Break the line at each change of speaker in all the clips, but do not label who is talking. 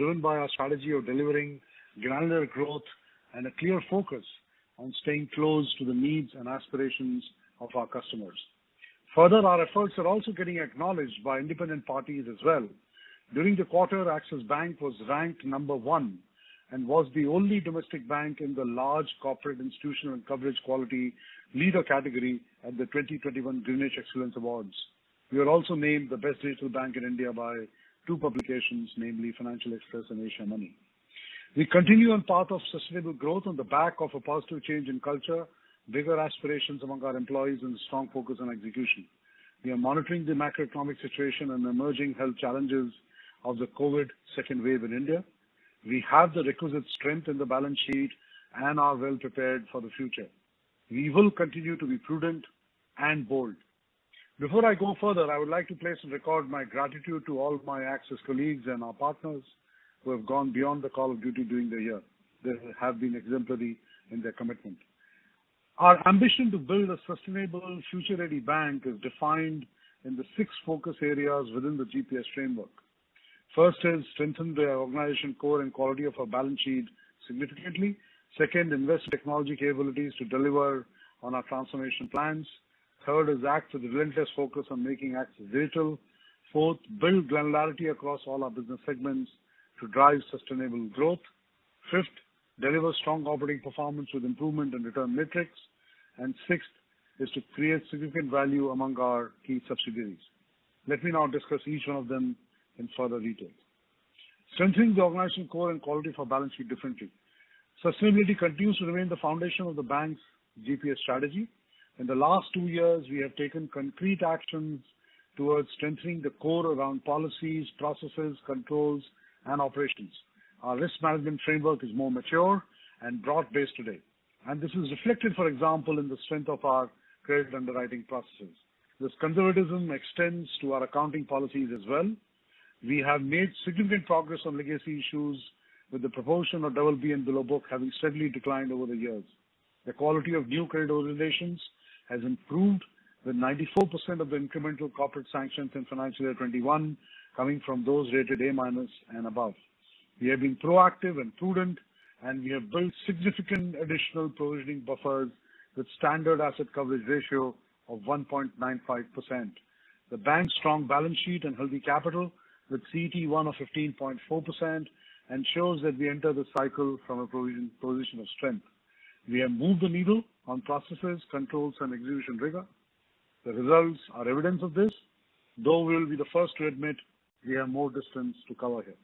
Driven by our strategy of delivering granular growth and a clear focus on staying close to the needs and aspirations of our customers. Further, our efforts are also getting acknowledged by independent parties as well. During the quarter, Axis Bank was ranked number 1 and was the only domestic bank in the large corporate institutional and coverage quality leader category at the 2021 Greenwich Excellence Awards. We were also named the best digital bank in India by two publications, namely Financial Express and Asiamoney. We continue on path of sustainable growth on the back of a positive change in culture, bigger aspirations among our employees, and strong focus on execution. We are monitoring the macroeconomic situation and emerging health challenges of the COVID-19 second wave in India. We have the requisite strength in the balance sheet and are well prepared for the future. We will continue to be prudent and bold. Before I go further, I would like to place on record my gratitude to all of my Axis colleagues and our partners who have gone beyond the call of duty during the year. They have been exemplary in their commitment. Our ambition to build a sustainable future-ready bank is defined in the six focus areas within the GPS framework. First is strengthen the organization core and quality of our balance sheet significantly. Second, invest technology capabilities to deliver on our transformation plans. Third is act with relentless focus on making Axis digital. Fourth, build granularity across all our business segments to drive sustainable growth. Fifth, deliver strong operating performance with improvement in return metrics. Sixth is to create significant value among our key subsidiaries. Let me now discuss each one of them in further detail. Strengthening the organization core and quality for balance sheet differently. Sustainability continues to remain the foundation of the bank's GPS strategy. In the last two years, we have taken concrete actions towards strengthening the core around policies, processes, controls, and operations. Our risk management framework is more mature and broad-based today, and this is reflected, for example, in the strength of our credit underwriting processes. This conservatism extends to our accounting policies as well. We have made significant progress on legacy issues with the proportion of BB and below book having steadily declined over the years. The quality of new credit [originations] has improved with 94% of the incremental corporate sanctions in FY 2021 coming from those rated A minus and above. We have been proactive and prudent and we have built significant additional provisioning buffers with standard asset coverage ratio of 1.95%. The bank's strong balance sheet and healthy capital with CET1 of 15.4% ensures that we enter this cycle from a position of strength. We have moved the needle on processes, controls, and execution rigor. The results are evidence of this, though we will be the first to admit we have more distance to cover here.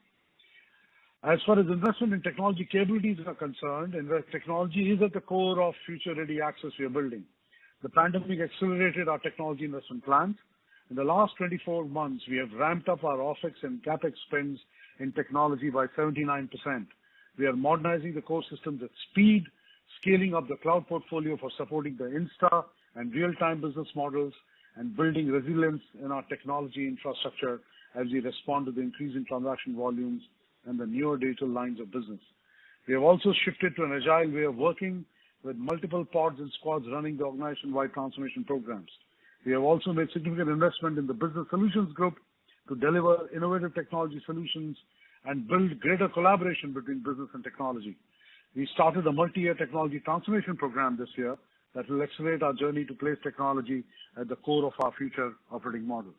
As far as investment in technology capabilities are concerned, invest technology is at the core of future-ready Axis we are building. The pandemic accelerated our technology investment plans. In the last 24 months, we have ramped up our OpEx and CapEx spends in technology by 79%. We are modernizing the core systems with speed, scaling up the cloud portfolio for supporting the insta and real-time business models, and building resilience in our technology infrastructure as we respond to the increasing transaction volumes and the newer digital lines of business. We have also shifted to an agile way of working with multiple pods and squads running the organization-wide transformation programs. We have also made significant investment in the business solutions group to deliver innovative technology solutions and build greater collaboration between business and technology. We started a multi-year technology transformation program this year that will accelerate our journey to place technology at the core of our future operating model.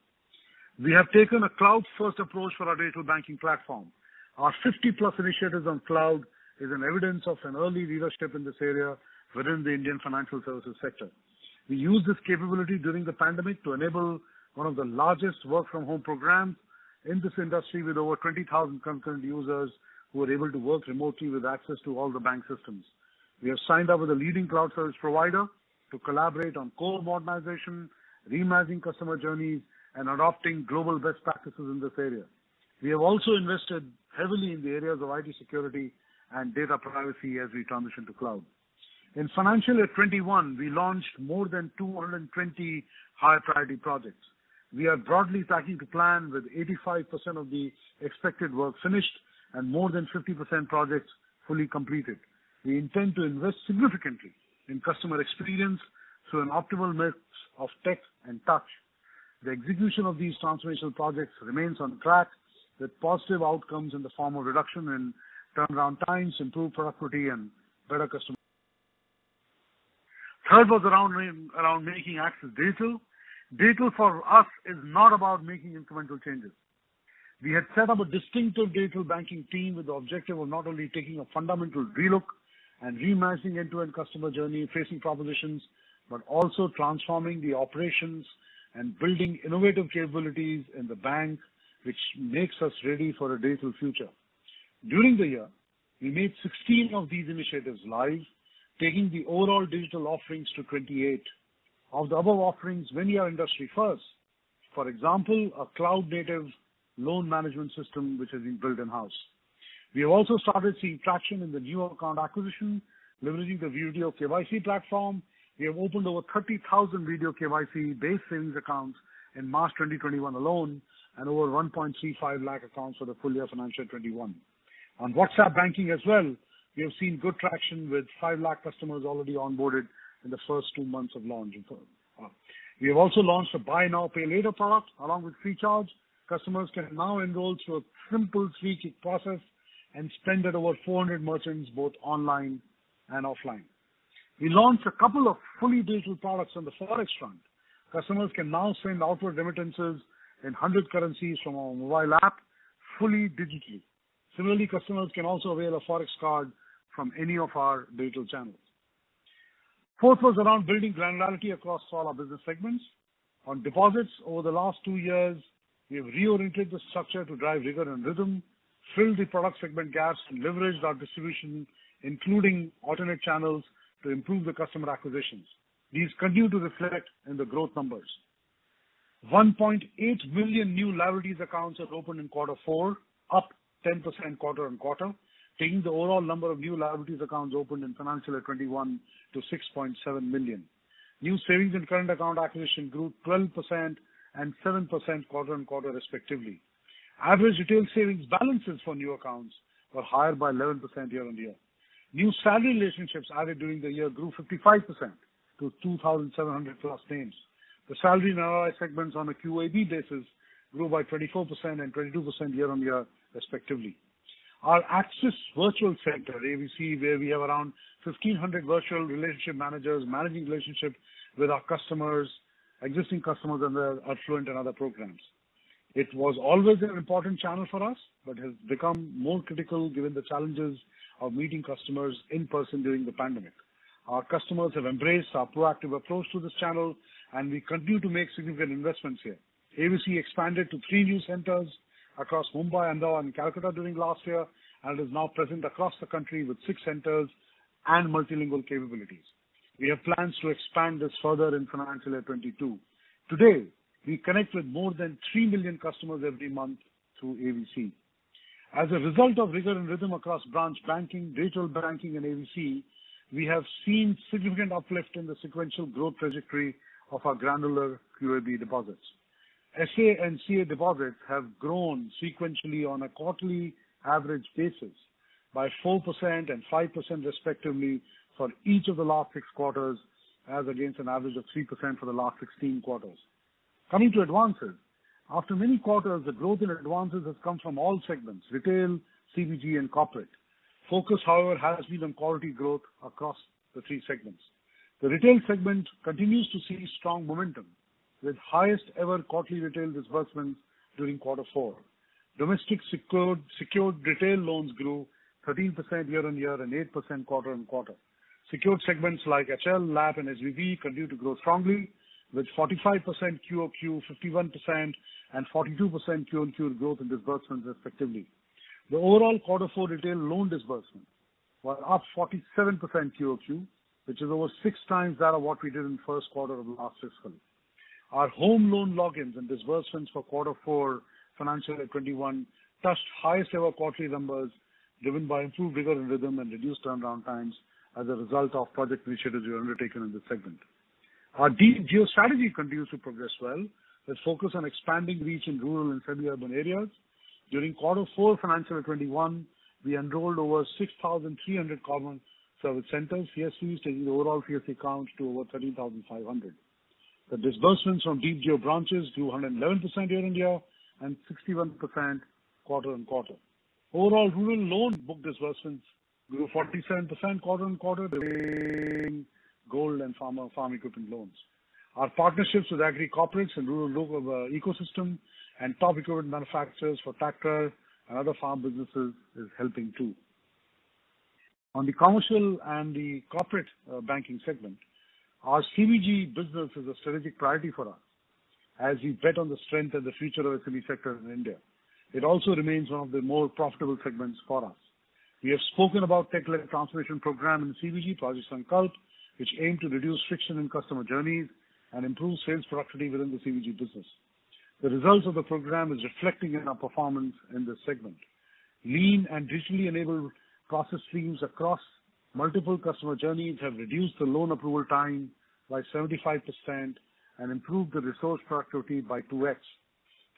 We have taken a cloud-first approach for our digital banking platform. Our 50-plus initiatives on cloud is an evidence of an early leadership in this area within the Indian financial services sector. We used this capability during the pandemic to enable one of the largest work-from-home programs in this industry, with over 20,000 concurrent users who were able to work remotely with access to all the bank systems. We have signed up with a leading cloud service provider to collaborate on core modernization, reimagining customer journeys, and adopting global best practices in this area. We have also invested heavily in the areas of IT security and data privacy as we transition to cloud. In financial year 2021, we launched more than 220 high-priority projects. We are broadly tracking to plan with 85% of the expected work finished and more than 50% projects fully completed. We intend to invest significantly in customer experience through an optimal mix of tech and touch. The execution of these transformational projects remains on track with positive outcomes in the form of reduction in turnaround times, improved productivity, and better customer. Third was around making Axis digital. Digital for us is not about making incremental changes. We had set up a distinctive digital banking team with the objective of not only taking a fundamental relook and reimagining end-to-end customer journey and pricing propositions, but also transforming the operations and building innovative capabilities in the bank, which makes us ready for a digital future. During the year, we made 16 of these initiatives live, taking the overall digital offerings to 28. Of the above offerings, many are industry first. For example, a cloud-native loan management system which has been built in-house. We have also started seeing traction in the new account acquisition, leveraging the video KYC platform. We have opened over 30,000 video KYC-based savings accounts in March 2021 alone and over 1.35 lakh accounts for the full year financial 2021. On WhatsApp banking as well, we have seen good traction with five lakh customers already onboarded in the first two months of launch in full. We have also launched a buy now, pay later product along with Freecharge. Customers can now enroll through a simple three-click process and spend at over 400 merchants, both online and offline. We launched a couple of fully digital products on the Forex front. Customers can now send outward remittances in 100 currencies from our mobile app fully digitally. Similarly, customers can also avail a Forex card from any of our digital channels. Fourth was around building granularity across all our business segments. On deposits over the last two years, we have reoriented the structure to drive rigor and rhythm, fill the product segment gaps, and leverage our distribution, including alternate channels, to improve the customer acquisitions. These continue to reflect in the growth numbers. 1.8 million new liabilities accounts was opened in quarter four, up 10% quarter-on-quarter, taking the overall number of new liabilities accounts opened in FY 2021 to 6.7 million. New savings and current account acquisition grew 12% and 7% quarter-on-quarter respectively. Average retail savings balances for new accounts were higher by 11% year-on-year. New salary relationships added during the year grew 55% to 2,700+ names. The salary in our segments on a QAB basis grew by 24% and 22% year-on-year respectively. Our Axis Virtual Center, AVC, where we have around 1,500 virtual relationship managers managing relationships with our existing customers under Affluent and other programs. It was always an important channel for us but has become more critical given the challenges of meeting customers in person during the pandemic. Our customers have embraced our proactive approach to this channel and we continue to make significant investments here. AVC expanded to three new centers across Mumbai, Andhra, and Calcutta during last year and is now present across the country with six centers and multilingual capabilities. We have plans to expand this further in FY 2022. Today, we connect with more than 3 million customers every month through AVC. As a result of rigor and rhythm across branch banking, digital banking and AVC, we have seen significant uplift in the sequential growth trajectory of our granular QAB deposits. SA and CA deposits have grown sequentially on a quarterly average basis by 4% and 5% respectively for each of the last six quarters as against an average of 3% for the last 16 quarters. Coming to advances. After many quarters, the growth in advances has come from all segments: retail, CVG, and corporate. Focus, however, has been on quality growth across the three segments. The retail segment continues to see strong momentum, with highest ever quarterly retail disbursements during quarter four. Domestic secured retail loans grew 13% year-on-year and 8% quarter-on-quarter. Secured segments like HL, LAP and SVV continue to grow strongly with 45% QoQ, 51%, and 42% QoQ growth in disbursements respectively. The overall quarter four retail loan disbursements were up 47% QoQ, which is almost 6 times that of what we did in first quarter of last fiscal. Our home loan logins and disbursements for quarter four financial 2021 touched highest ever quarterly numbers, driven by improved rigor and rhythm and reduced turnaround times as a result of project initiatives we undertaken in this segment. Our deep geo strategy continues to progress well, with focus on expanding reach in rural and semi-urban areas. During quarter four financial 2021, we enrolled over 6,300 Common Service Centers, CSCs, taking the overall CSC accounts to over 13,500. The disbursements from deep geo branches grew 111% year-over-year and 61% quarter-on-quarter. Overall, rural loan book disbursements grew 47% quarter-on-quarter gold and farm equipment loans. Our partnerships with agri corporates and rural local ecosystem and top equipment manufacturers for tractor and other farm businesses is helping too. On the commercial and the corporate banking segment, our CVG business is a strategic priority for us as we bet on the strength and the future of the CVG sector in India. It also remains one of the more profitable segments for us. We have spoken about tech-led transformation program in CBG, Project Sankalp, which aim to reduce friction in customer journeys and improve sales productivity within the CBG business. The results of the program is reflecting in our performance in this segment. Lean and digitally enabled process streams across multiple customer journeys have reduced the loan approval time by 75% and improved the resource productivity by 2x.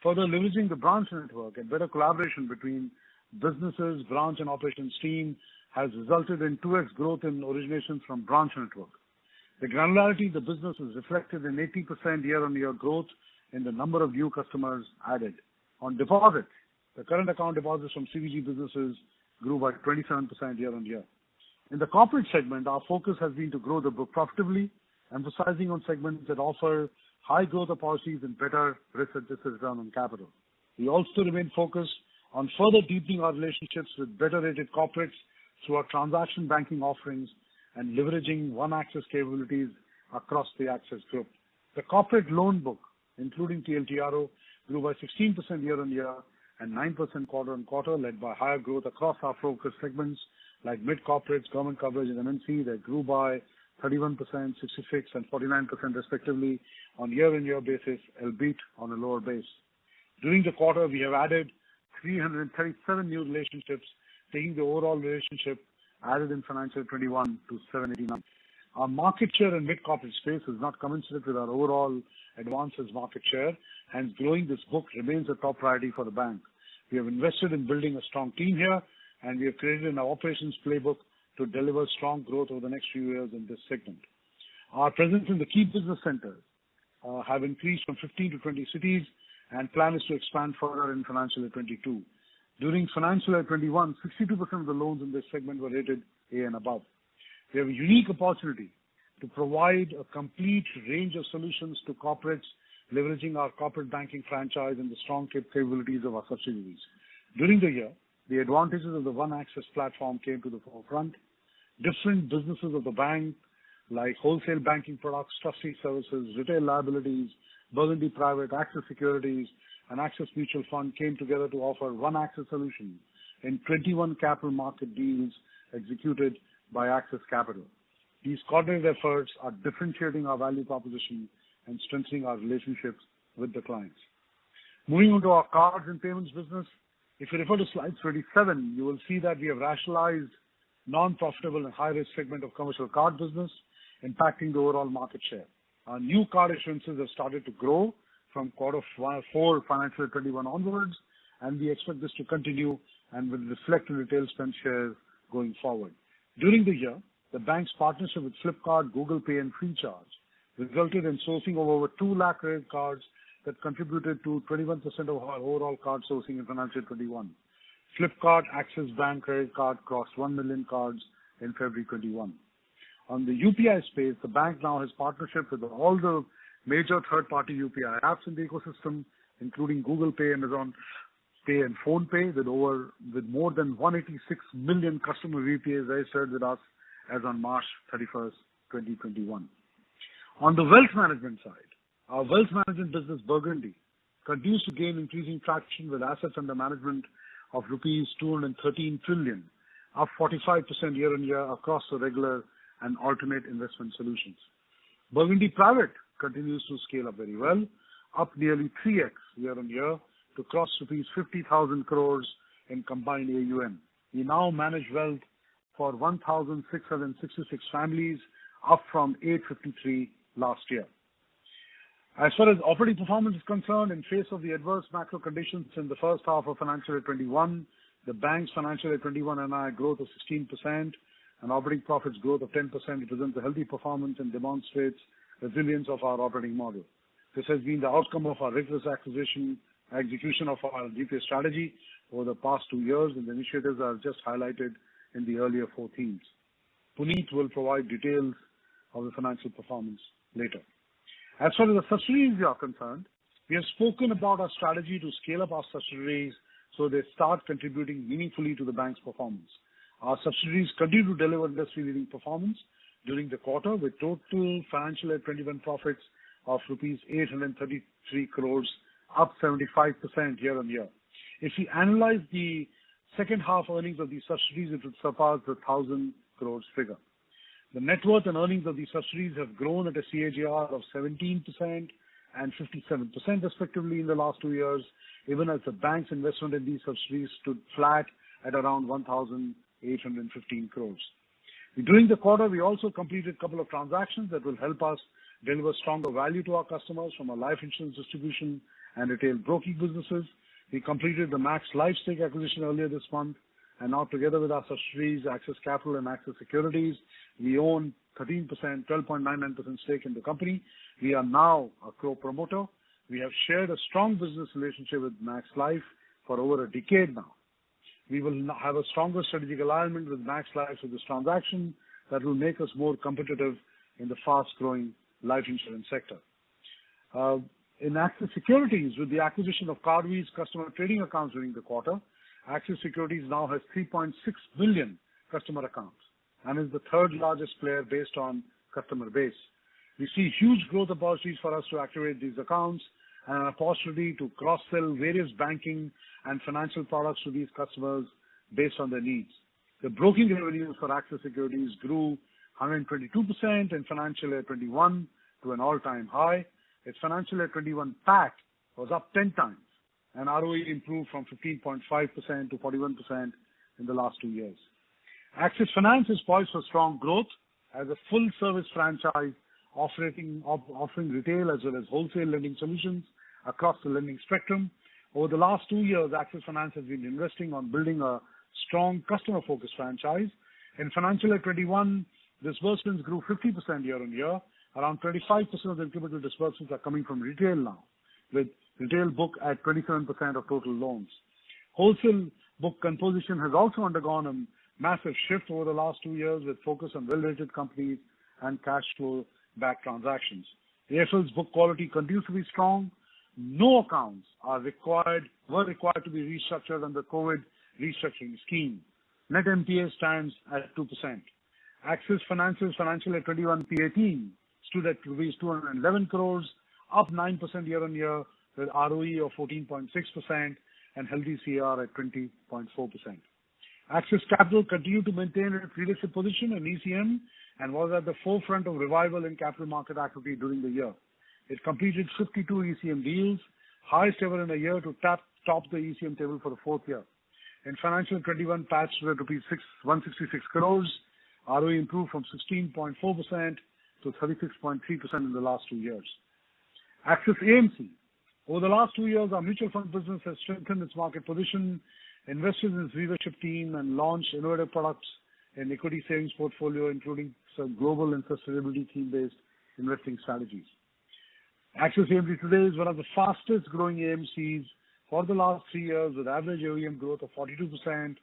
Further leveraging the branch network and better collaboration between businesses, branch and operations team has resulted in 2x growth in originations from branch network. The granularity of the business is reflected in 18% year-on-year growth in the number of new customers added. On deposit, the current account deposits from CBG businesses grew by 27% year-on-year. In the corporate segment, our focus has been to grow the book profitably, emphasizing on segments that offer high growth prospects and better risk-adjusted return on capital. We also remain focused on further deepening our relationships with better rated corporates through our transaction banking offerings and leveraging One Axis capabilities across the Axis Group. The corporate loan book, including TLTRO, grew by 16% year-on-year and 9% quarter-on-quarter, led by higher growth across our focused segments like mid-corporates, government corporates and MNCs that grew by 31%, 66%, and 49% respectively on year-on-year basis, albeit on a lower base. During the quarter, we have added 337 new relationships, taking the overall relationship added in financial 2021 to 789. Our market share in mid-corporate space is not commensurate with our overall advances market share. Growing this book remains a top priority for the bank. We have invested in building a strong team here, and we have created an operations playbook to deliver strong growth over the next few years in this segment. Our presence in the key business centers have increased from 15 to 20 cities. Plan is to expand further in financial year 2022. During financial year 2021, 62% of the loans in this segment were rated A and above. We have a unique opportunity to provide a complete range of solutions to corporates, leveraging our corporate banking franchise and the strong capabilities of our subsidiaries. During the year, the advantages of the One Axis platform came to the forefront. Different businesses of the bank, like wholesale banking products, trustee services, retail liabilities, Burgundy Private, Axis Securities, and Axis Mutual Fund, came together to offer One Axis solutions in 21 capital market deals executed by Axis Capital. These coordinated efforts are differentiating our value proposition and strengthening our relationships with the clients. Moving on to our cards and payments business. If you refer to slide 37, you will see that we have rationalized non-profitable and high-risk segment of commercial card business, impacting the overall market share. Our new card issuances have started to grow from quarter four financial year 2021 onwards. We expect this to continue and will reflect in retail spend share going forward. During the year, the bank's partnership with Flipkart, Google Pay and Freecharge resulted in sourcing of over 2 lakh credit cards that contributed to 21% of our overall card sourcing in financial year 2021. Flipkart Axis Bank credit card crossed 1 million cards in February 2021. On the UPI space, the bank now has partnerships with all the major third-party UPI apps in the ecosystem, including Google Pay, Amazon Pay and PhonePe, with more than 186 million customer VPAs registered with us as on March 31st, 2021. On the wealth management side, our wealth management business, Burgundy, continues to gain increasing traction with assets under management of rupees 213 trillion, up 45% year-on-year across the regular and alternate investment solutions. Burgundy Private continues to scale up very well, up nearly 3x year-on-year to cross rupees 50,000 crores in combined AUM. We now manage wealth for 1,666 families, up from 853 last year. As far as operating performance is concerned, in face of the adverse macro conditions in the first half of FY 2021, the bank's FY 2021 NII growth of 16% and operating profits growth of 10% represents a healthy performance and demonstrates resilience of our operating model. This has been the outcome of our rigorous acquisition, execution of our GPA strategy over the past two years and the initiatives I have just highlighted in the earlier four themes. Puneet will provide details of the financial performance later. As far as the subsidiaries are concerned, we have spoken about our strategy to scale up our subsidiaries so they start contributing meaningfully to the bank's performance. Our subsidiaries continue to deliver industry-leading performance during the quarter, with total FY 2021 profits of rupees 833 crore, up 75% year-on-year. If we analyze the second half earnings of these subsidiaries, it will surpass the 1,000 crore figure. The net worth and earnings of these subsidiaries have grown at a CAGR of 17% and 57% respectively in the last two years, even as the bank's investment in these subsidiaries stood flat at around 1,815 crore. During the quarter, we also completed a couple of transactions that will help us deliver stronger value to our customers from our life insurance distribution and retail broking businesses. We completed the Max Life stake acquisition earlier this month, and now together with our subsidiaries Axis Capital and Axis Securities, we own 12.99% stake in the company. We are now a co-promoter. We have shared a strong business relationship with Max Life for over a decade now. We will have a stronger strategic alignment with Max Life with this transaction that will make us more competitive in the fast-growing life insurance sector. In Axis Securities, with the acquisition of Karvy's customer trading accounts during the quarter, Axis Securities now has 3.6 million customer accounts and is the third largest player based on customer base. We see huge growth opportunities for us to activate these accounts and an opportunity to cross-sell various banking and financial products to these customers based on their needs. The broking revenues for Axis Securities grew 122% in FY 2021 to an all-time high. Its FY 2021 PAT was up 10 times and ROE improved from 15.5% to 41% in the last two years. Axis Finance is poised for strong growth as a full-service franchise offering retail as well as wholesale lending solutions across the lending spectrum. Over the last two years, Axis Finance has been investing on building a strong customer-focused franchise. In financial year 2021, disbursements grew 50% year-on-year. Around 25% of the incremental disbursements are coming from retail now, with retail book at 27% of total loans. Wholesale book composition has also undergone a massive shift over the last two years, with focus on related companies and cash flow-backed transactions. The AF's book quality continues to be strong. No accounts were required to be restructured under COVID restructuring scheme. Net NPAs stands at 2%. Axis Finance's financial year 2021 PAT stood at rupees 211 crores, up 9% year-on-year, with ROE of 14.6% and healthy CR at 20.4%. Axis Capital continued to maintain its leadership position in ECM and was at the forefront of revival in capital market activity during the year. It completed 52 ECM deals, highest ever in a year to top the ECM table for the fourth year. In financial year 2021, PAT stood at 166 crores. ROE improved from 16.4% to 36.3% in the last two years. Axis AMC. Over the last two years, our mutual fund business has strengthened its market position, invested in its leadership team, and launched innovative products and equity savings portfolio, including some global and sustainability theme-based investing strategies. Axis AMC today is one of the fastest-growing AMCs for the last three years, with average AUM growth of 42% and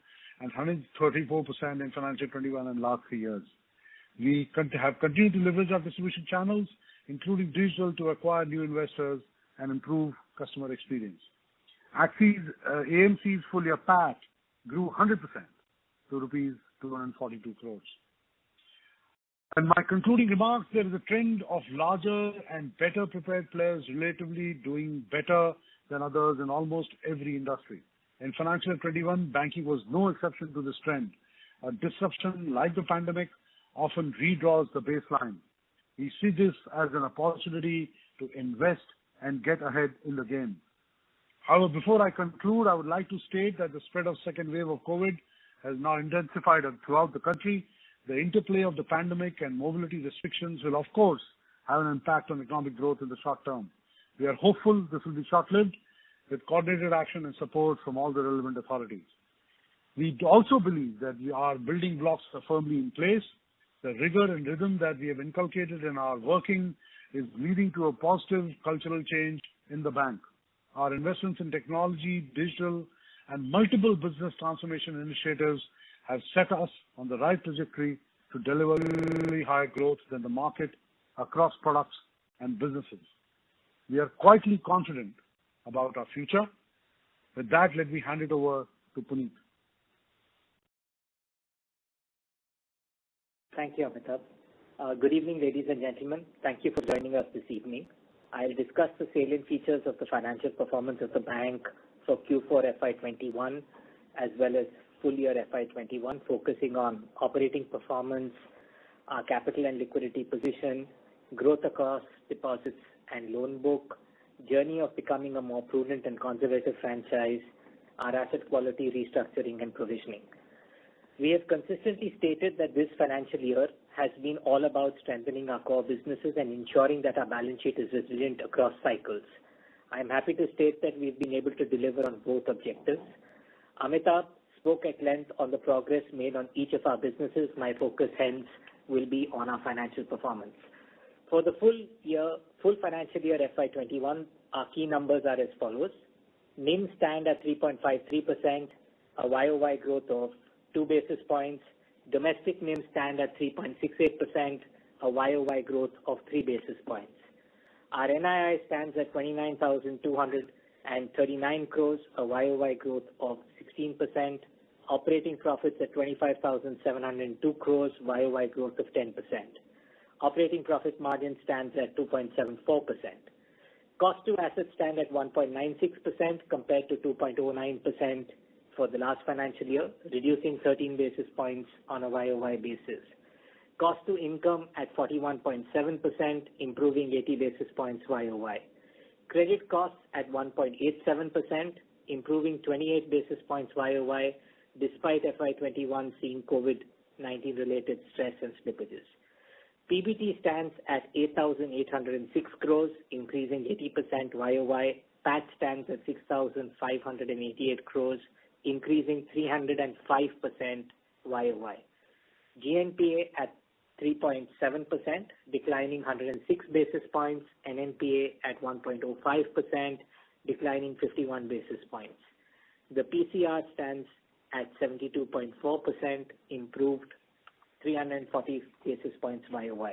134% in financial year 2021 and last three years. We have continued to leverage our distribution channels, including digital, to acquire new investors and improve customer experience. Axis AMC's full-year PAT grew 100% to 242 crores rupees. In my concluding remarks, there is a trend of larger and better-prepared players relatively doing better than others in almost every industry. In financial 2021, banking was no exception to this trend. A disruption like the pandemic often redraws the baseline. We see this as an opportunity to invest and get ahead in the game. However, before I conclude, I would like to state that the spread of second wave of COVID-19 has now intensified throughout the country. The interplay of the pandemic and mobility restrictions will, of course, have an impact on economic growth in the short term. We are hopeful this will be short-lived with coordinated action and support from all the relevant authorities. We also believe that our building blocks are firmly in place. The rigor and rhythm that we have inculcated in our working is leading to a positive cultural change in the bank. Our investments in technology, digital, and multiple business transformation initiatives have set us on the right trajectory to deliver high growth than the market across products and businesses. We are quietly confident about our future. With that, let me hand it over to Puneet.
Thank you, Amitabh. Good evening, ladies and gentlemen. Thank you for joining us this evening. I'll discuss the salient features of the financial performance of the bank for Q4 FY 2021, as well as full year FY 2021, focusing on operating performance, our capital and liquidity position, growth across deposits and loan book, journey of becoming a more prudent and conservative franchise, our asset quality restructuring and provisioning. We have consistently stated that this financial year has been all about strengthening our core businesses and ensuring that our balance sheet is resilient across cycles. I am happy to state that we've been able to deliver on both objectives. Amitabh spoke at length on the progress made on each of our businesses. My focus hence will be on our financial performance. For the full financial year FY 2021, our key numbers are as follows. NIMs stand at 3.53%, a YoY growth of two basis points. Domestic NIMs stand at 3.68%, a YoY growth of three basis points. Our NII stands at 29,239 crore, a YoY growth of 16%. Operating profits at 25,702 crore, YoY growth of 10%. Operating profit margin stands at 2.74%. Cost to assets stand at 1.96% compared to 2.09% for the last financial year, reducing 13 basis points on a YoY basis. Cost to income at 41.7%, improving 80 basis points YoY. Credit costs at 1.87%, improving 28 basis points YoY despite FY 2021 seeing COVID-19 related stress and slippages. PBT stands at 8,806 crore, increasing 80% YoY. PAT stands at 6,588 crore, increasing 305% YoY. GNPA at 3.7%, declining 106 basis points, and NPA at 1.05%, declining 51 basis points. The PCR stands at 72.4%, improved 340 basis points YoY.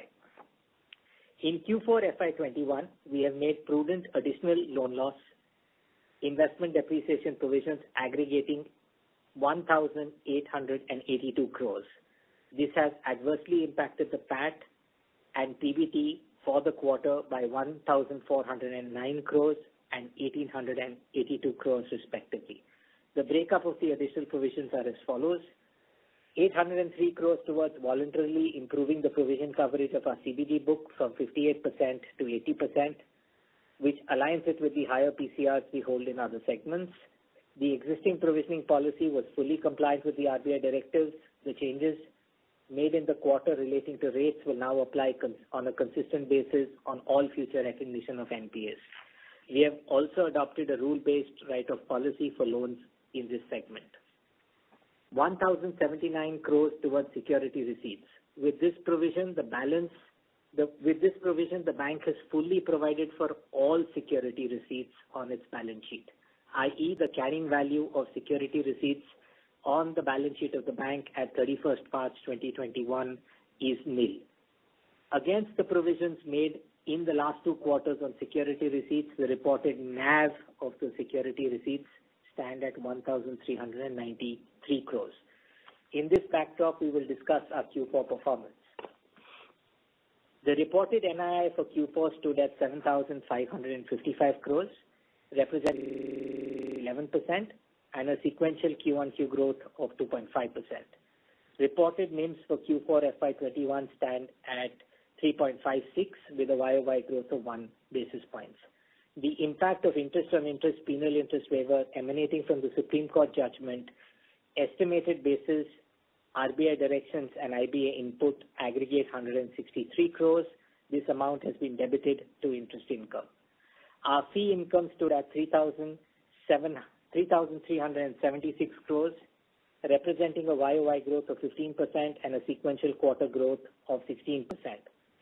In Q4 FY 2021, we have made prudent additional loan loss investment depreciation provisions aggregating 1,882 crore. This has adversely impacted the PAT and PBT for the quarter by 1,409 crore and 1,882 crore respectively. The breakup of the additional provisions are as follows. 803 crore towards voluntarily improving the provision coverage of our CBD book from 58% to 80%, which aligns it with the higher PCRs we hold in other segments. The existing provisioning policy was fully compliant with the RBI directives. The changes made in the quarter relating to rates will now apply on a consistent basis on all future recognition of NPAs. We have also adopted a rule-based write-off policy for loans in this segment. 1,079 crore towards security receipts. With this provision, the bank has fully provided for all security receipts on its balance sheet, i.e., the carrying value of security receipts on the balance sheet of the bank at 31st March 2021 is nil. Against the provisions made in the last two quarters on security receipts, the reported NAV of the security receipts stand at 1,393 crores. In this fact talk, we will discuss our Q4 performance. The reported NII for Q4 stood at 7,555 crores, representing 11% and a sequential Q1-Q growth of 2.5%. Reported NIMs for Q4 FY 2021 stand at 3.56% with a YoY growth of one basis point. The impact of interest on interest, penal interest waiver emanating from the Supreme Court judgment, estimated basis RBI directions and IBA input aggregate 163 crores. This amount has been debited to interest income. Our fee income stood at 3,376 crore, representing a YOY growth of 15% and a sequential quarter growth of 16%.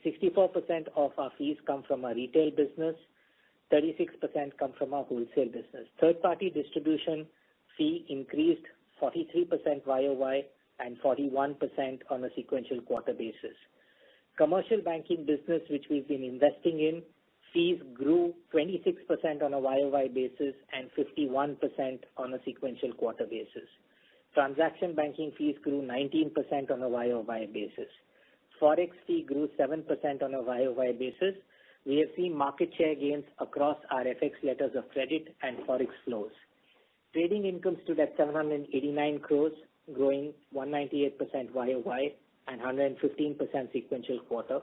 64% of our fees come from our retail business, 36% come from our wholesale business. Third-party distribution fee increased 43% YOY and 41% on a sequential quarter basis. Commercial Banking business, which we've been investing in, fees grew 26% on a YOY basis and 51% on a sequential quarter basis. Transaction Banking fees grew 19% on a YOY basis. Forex fee grew 7% on a YOY basis. We have seen market share gains across our FX Letters of Credit and Forex flows. Trading income stood at 789 crore, growing 198% YOY and 115% sequential quarter.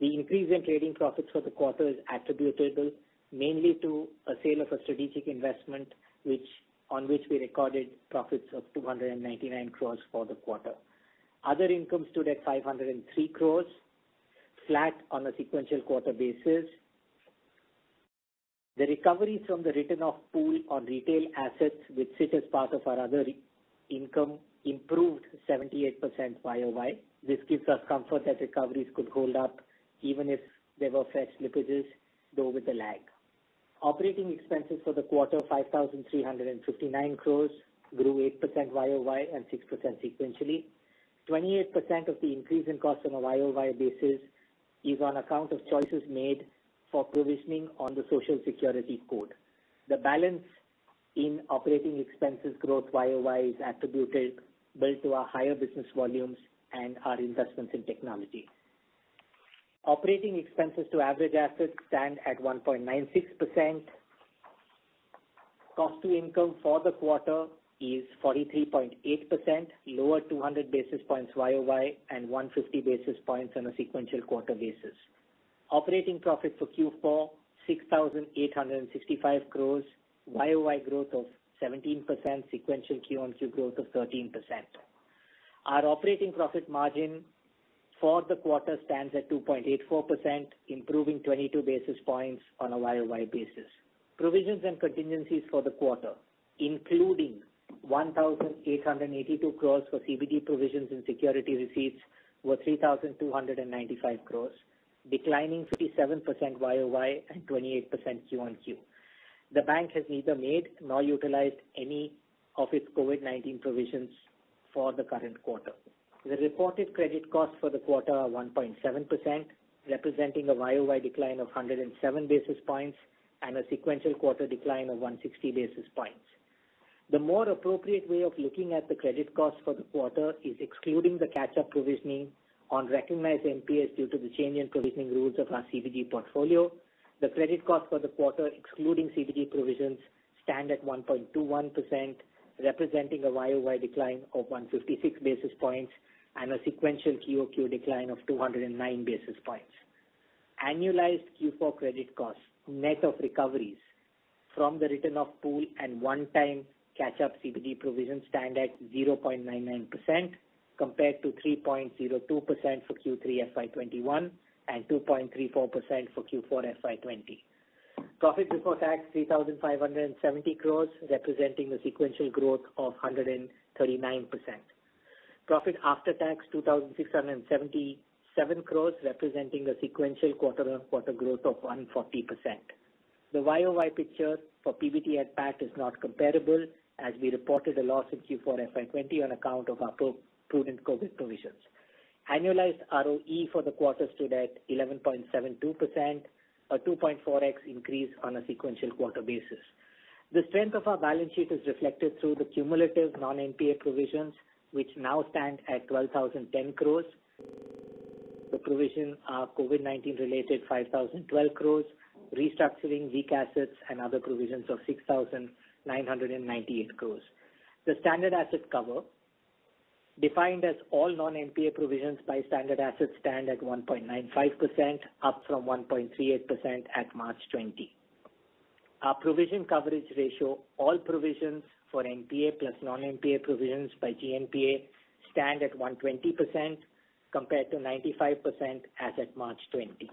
The increase in trading profits for the quarter is attributable mainly to a sale of a strategic investment, on which we recorded profits of 299 crore for the quarter. Other income stood at 503 crore, flat on a sequential quarter basis. The recoveries from the written-off pool on retail assets, which sit as part of our other income, improved 78% year-over-year. This gives us comfort that recoveries could hold up even if there were fresh slippages, though with a lag. Operating expenses for the quarter, 5,359 crore, grew 8% year-over-year and 6% sequentially. 28% of the increase in cost on a year-over-year basis is on account of choices made for provisioning on the Social Security Code. The balance in operating expenses growth year-over-year is attributed both to our higher business volumes and our investments in technology. Operating expenses to average assets stand at 1.96%. Cost to income for the quarter is 43.8%, lower 200 basis points year-over-year and 150 basis points on a sequential quarter basis. Operating profit for Q4, 6,865 crores, YOY growth of 17%, sequential Q-on-Q growth of 13%. Our operating profit margin for the quarter stands at 2.84%, improving 22 basis points on a YOY basis. Provisions and contingencies for the quarter, including 1,882 crores for CBD provisions and security receipts, were 3,295 crores, declining 57% YOY and 28% Q-on-Q. The bank has neither made nor utilized any of its COVID-19 provisions for the current quarter. The reported credit cost for the quarter are 1.7%, representing a YOY decline of 107 basis points and a sequential quarter decline of 160 basis points. The more appropriate way of looking at the credit cost for the quarter is excluding the catch-up provisioning on recognized NPAs due to the change in provisioning rules of our CBD portfolio. The credit cost for the quarter, excluding CBD provisions, stand at 1.21%, representing a year-over-year decline of 156 basis points and a sequential quarter-over-quarter decline of 209 basis points. Annualized Q4 credit costs, net of recoveries from the written-off pool and one-time catch-up CBD provisions stand at 0.99%, compared to 3.02% for Q3 FY 2021 and 2.34% for Q4 FY 2020. Profit before tax, 3,570 crores, representing a sequential growth of 139%. Profit after tax, 2,677 crores, representing a sequential quarter-on-quarter growth of 140%. The year-over-year picture for PBT and PAT is not comparable, as we reported a loss in Q4 FY 2020 on account of our prudent COVID-19 provisions. Annualized ROE for the quarter stood at 11.72%, a 2.4x increase on a sequential quarter basis. The strength of our balance sheet is reflected through the cumulative non-NPA provisions, which now stand at 12,010 crores. The provision of COVID-19 related 5,012 crores, restructuring weak assets and other provisions of 6,998 crores. The standard asset cover, defined as all non-NPA provisions by standard assets, stand at 1.95%, up from 1.38% at March 2020. Our provision coverage ratio, all provisions for NPA plus non-NPA provisions by GNPA stand at 120% compared to 95% as at March 2020.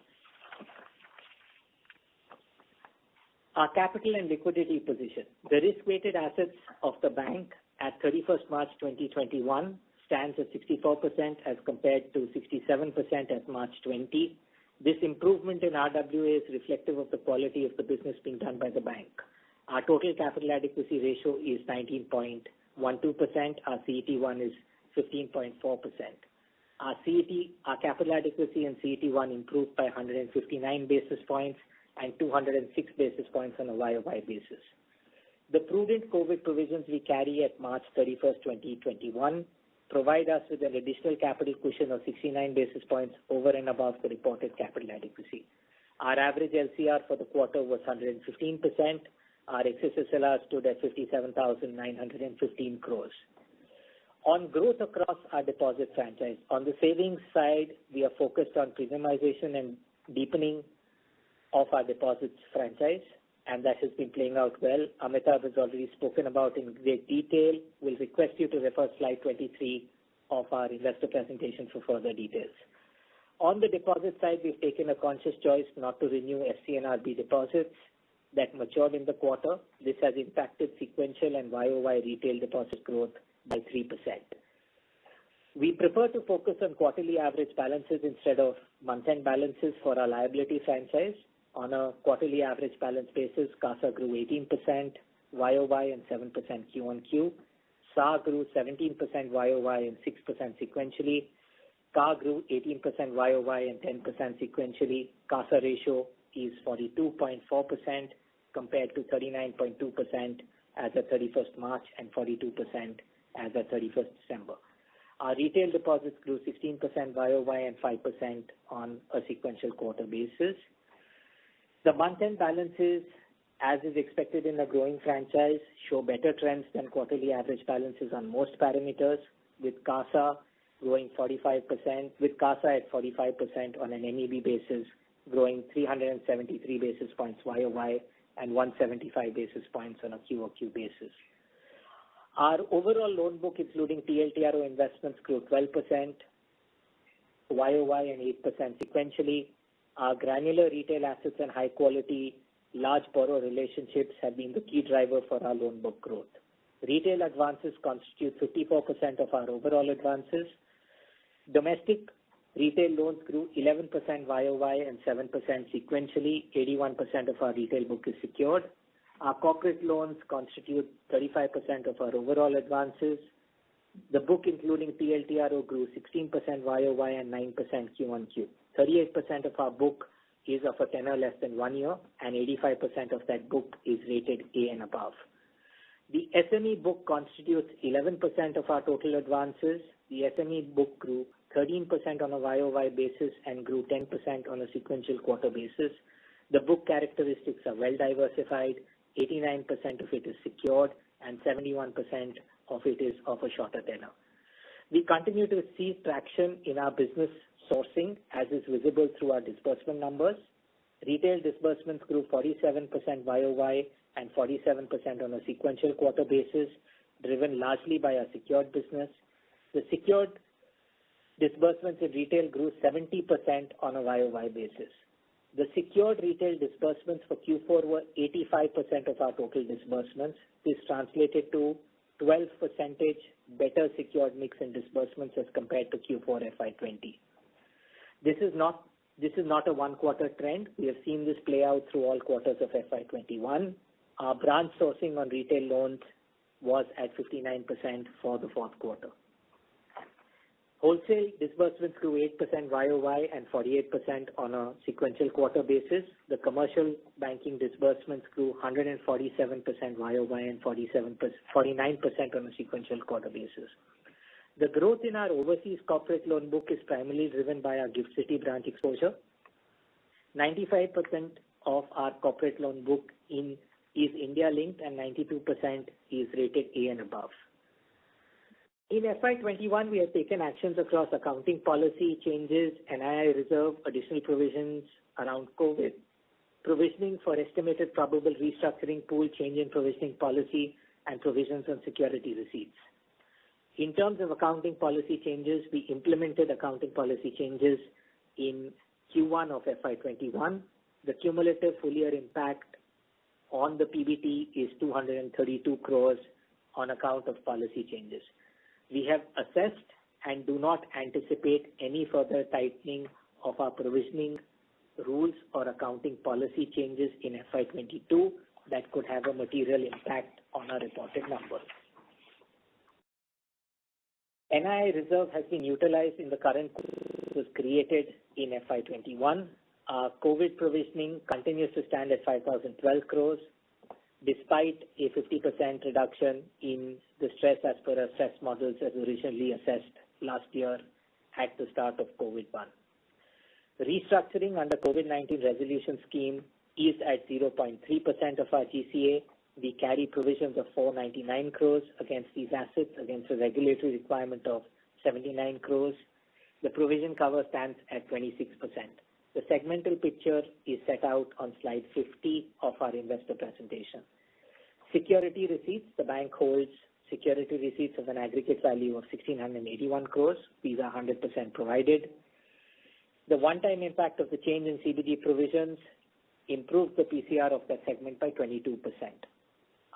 Our capital and liquidity position. The risk-weighted assets of the bank at 31st March 2021 stands at 64% as compared to 67% at March 2020. This improvement in RWA is reflective of the quality of the business being done by the bank. Our total capital adequacy ratio is 19.12%. Our CET1 is 15.4%. Our capital adequacy and CET1 improved by 159 basis points and 206 basis points on a YOY basis. The prudent COVID provisions we carry at March 31st, 2021, provide us with an additional capital cushion of 69 basis points over and above the reported capital adequacy. Our average LCR for the quarter was 115%. Our excess SLR stood at 57,915 crores. On growth across our deposit franchise. On the savings side, we are focused on prismatization and deepening of our deposits franchise, and that has been playing out well. Amitabh has already spoken about it in great detail. We'll request you to refer to slide 23 of our investor presentation for further details. On the deposit side, we've taken a conscious choice not to renew FCNRB deposits that matured in the quarter. This has impacted sequential and Y-o-Y retail deposit growth by 3%. We prefer to focus on quarterly average balances instead of month-end balances for our liability franchise. On a quarterly average balance basis, CASA grew 18% Y-o-Y and 7% Q-on-Q. SA grew 17% Y-o-Y and 6% sequentially. CA grew 18% Y-o-Y and 10% sequentially. CASA ratio is 42.4% compared to 39.2% as at 31st March and 42% as at 31st December. Our retail deposits grew 16% Y-o-Y and 5% on a sequential quarter basis. The month-end balances, as is expected in a growing franchise, show better trends than quarterly average balances on most parameters, with CASA at 45% on an MEB basis, growing 373 basis points Y-o-Y and 175 basis points on a Q-o-Q basis. Our overall loan book, including TLTRO investments, grew 12% Y-o-Y and 8% sequentially. Our granular retail assets and high-quality large borrower relationships have been the key driver for our loan book growth. Retail advances constitute 54% of our overall advances. Domestic retail loans grew 11% Y-o-Y and 7% sequentially. 81% of our retail book is secured. Our corporate loans constitute 35% of our overall advances. The book including TLTRO grew 16% Y-o-Y and 9% Q-on-Q. 38% of our book is of a tenor less than one year, and 85% of that book is rated A and above. The SME book constitutes 11% of our total advances. The SME book grew 13% on a Y-o-Y basis and grew 10% on a sequential quarter basis. The book characteristics are well diversified. 89% of it is secured and 71% of it is of a shorter tenor. We continue to receive traction in our business sourcing, as is visible through our disbursement numbers. Retail disbursements grew 47% Y-o-Y and 47% on a sequential quarter basis, driven largely by our secured business. The secured disbursements in retail grew 70% on a Y-o-Y basis. The secured retail disbursements for Q4 were 85% of our total disbursements. This translated to 12 percentage better secured mix in disbursements as compared to Q4 FY 2020. This is not a one-quarter trend. We have seen this play out through all quarters of FY 2021. Our branch sourcing on retail loans was at 59% for the fourth quarter. Wholesale disbursements grew 8% Y-o-Y and 48% on a sequential quarter basis. The commercial banking disbursements grew 147% Y-o-Y and 49% on a sequential quarter basis. The growth in our overseas corporate loan book is primarily driven by our GIFT City branch exposure. 95% of our corporate loan book is India-linked and 92% is rated A and above. In FY 2021, we have taken actions across accounting policy changes, NIA reserve, additional provisions around COVID-19, provisioning for estimated probable restructuring pool change in provisioning policy, and provisions on security receipts. In terms of accounting policy changes, we implemented accounting policy changes in Q1 of FY 2021. The cumulative full-year impact on the PBT is 232 crores on account of policy changes. We have assessed and do not anticipate any further tightening of our provisioning rules or accounting policy changes in FY 2022 that could have a material impact on our reported numbers. NIA reserve has been utilized in the current was created in FY 2021. Our COVID-19 provisioning continues to stand at 5,012 crores despite a 50% reduction in the stress as per our stress models as originally assessed last year at the start of COVID-19. Restructuring under COVID-19 resolution scheme is at 0.3% of our GCA. We carry provisions of 499 crores against these assets against a regulatory requirement of 79 crores. The provision cover stands at 26%. The segmental picture is set out on slide 50 of our investor presentation. Security receipts. The bank holds security receipts of an aggregate value of 1,681 crore. These are 100% provided. The one-time impact of the change in CBD provisions improved the PCR of that segment by 22%.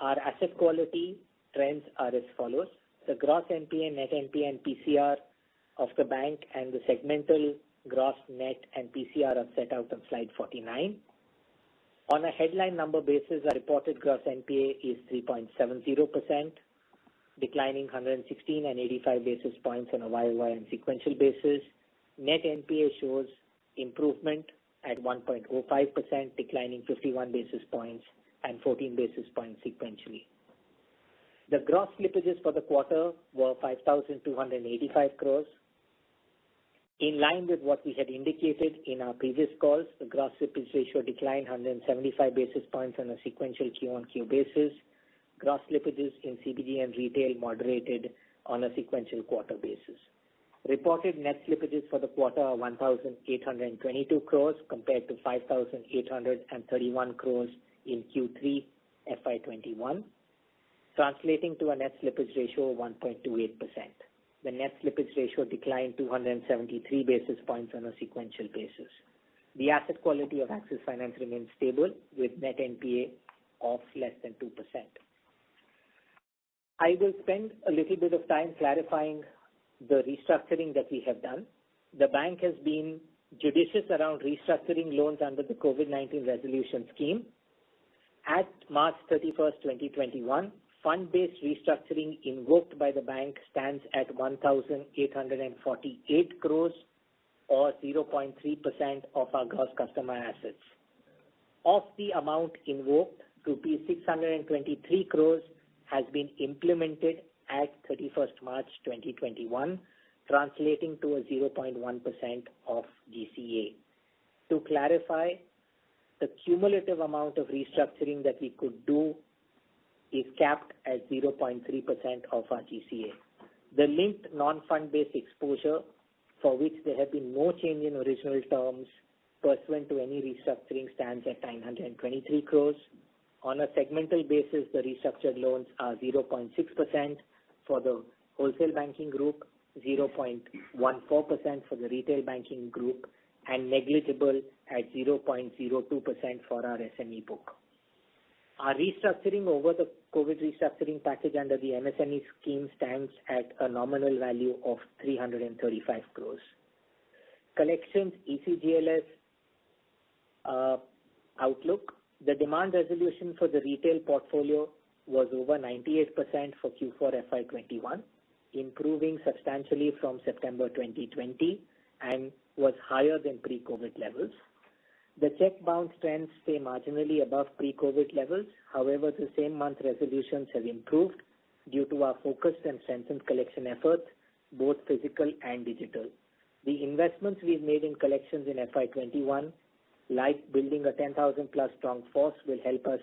Our asset quality trends are as follows. The gross NPA, net NPA and PCR of the bank and the segmental gross net and PCR are set out on slide 49. On a headline number basis, our reported gross NPA is 3.70%, declining 116 and 85 basis points on a Y-o-Y and sequential basis. Net NPA shows improvement at 1.05%, declining 51 basis points and 14 basis points sequentially. The gross slippages for the quarter were 5,285 crore. In line with what we had indicated in our previous calls, the gross slippage ratio declined 175 basis points on a sequential Q-on-Q basis. Gross slippages in CBG and retail moderated on a sequential quarter basis. Reported net slippages for the quarter are 1,822 crores compared to 5,831 crores in Q3 FY 2021, translating to a net slippage ratio of 1.28%. The net slippage ratio declined 273 basis points on a sequential basis. The asset quality of Axis Finance remains stable, with net NPA of less than 2%. I will spend a little bit of time clarifying the restructuring that we have done. The bank has been judicious around restructuring loans under the COVID-19 resolution scheme. At March 31st, 2021, fund-based restructuring invoked by the bank stands at 1,848 crores or 0.3% of our gross customer assets. Of the amount invoked, 623 crores has been implemented at 31st March 2021, translating to a 0.1% of GCA. To clarify, the cumulative amount of restructuring that we could do is capped at 0.3% of our GCA. The linked non-fund based exposure for which there have been no change in original terms pursuant to any restructuring stands at 923 crores. On a segmental basis, the restructured loans are 0.6% for the Wholesale Banking Group, 0.14% for the Retail Banking Group, and negligible at 0.02% for our SME book. Our restructuring over the COVID-19 restructuring package under the MSME scheme stands at a nominal value of 335 crores. Collections ECGLS outlook. The demand resolution for the retail portfolio was over 98% for Q4 FY 2021, improving substantially from September 2020 and was higher than pre-COVID-19 levels. The check bounce trends stay marginally above pre-COVID-19 levels. The same-month resolutions have improved due to our focused and strengthened collection efforts, both physical and digital. The investments we've made in collections in FY 2021, like building a 10,000-plus strong force, will help us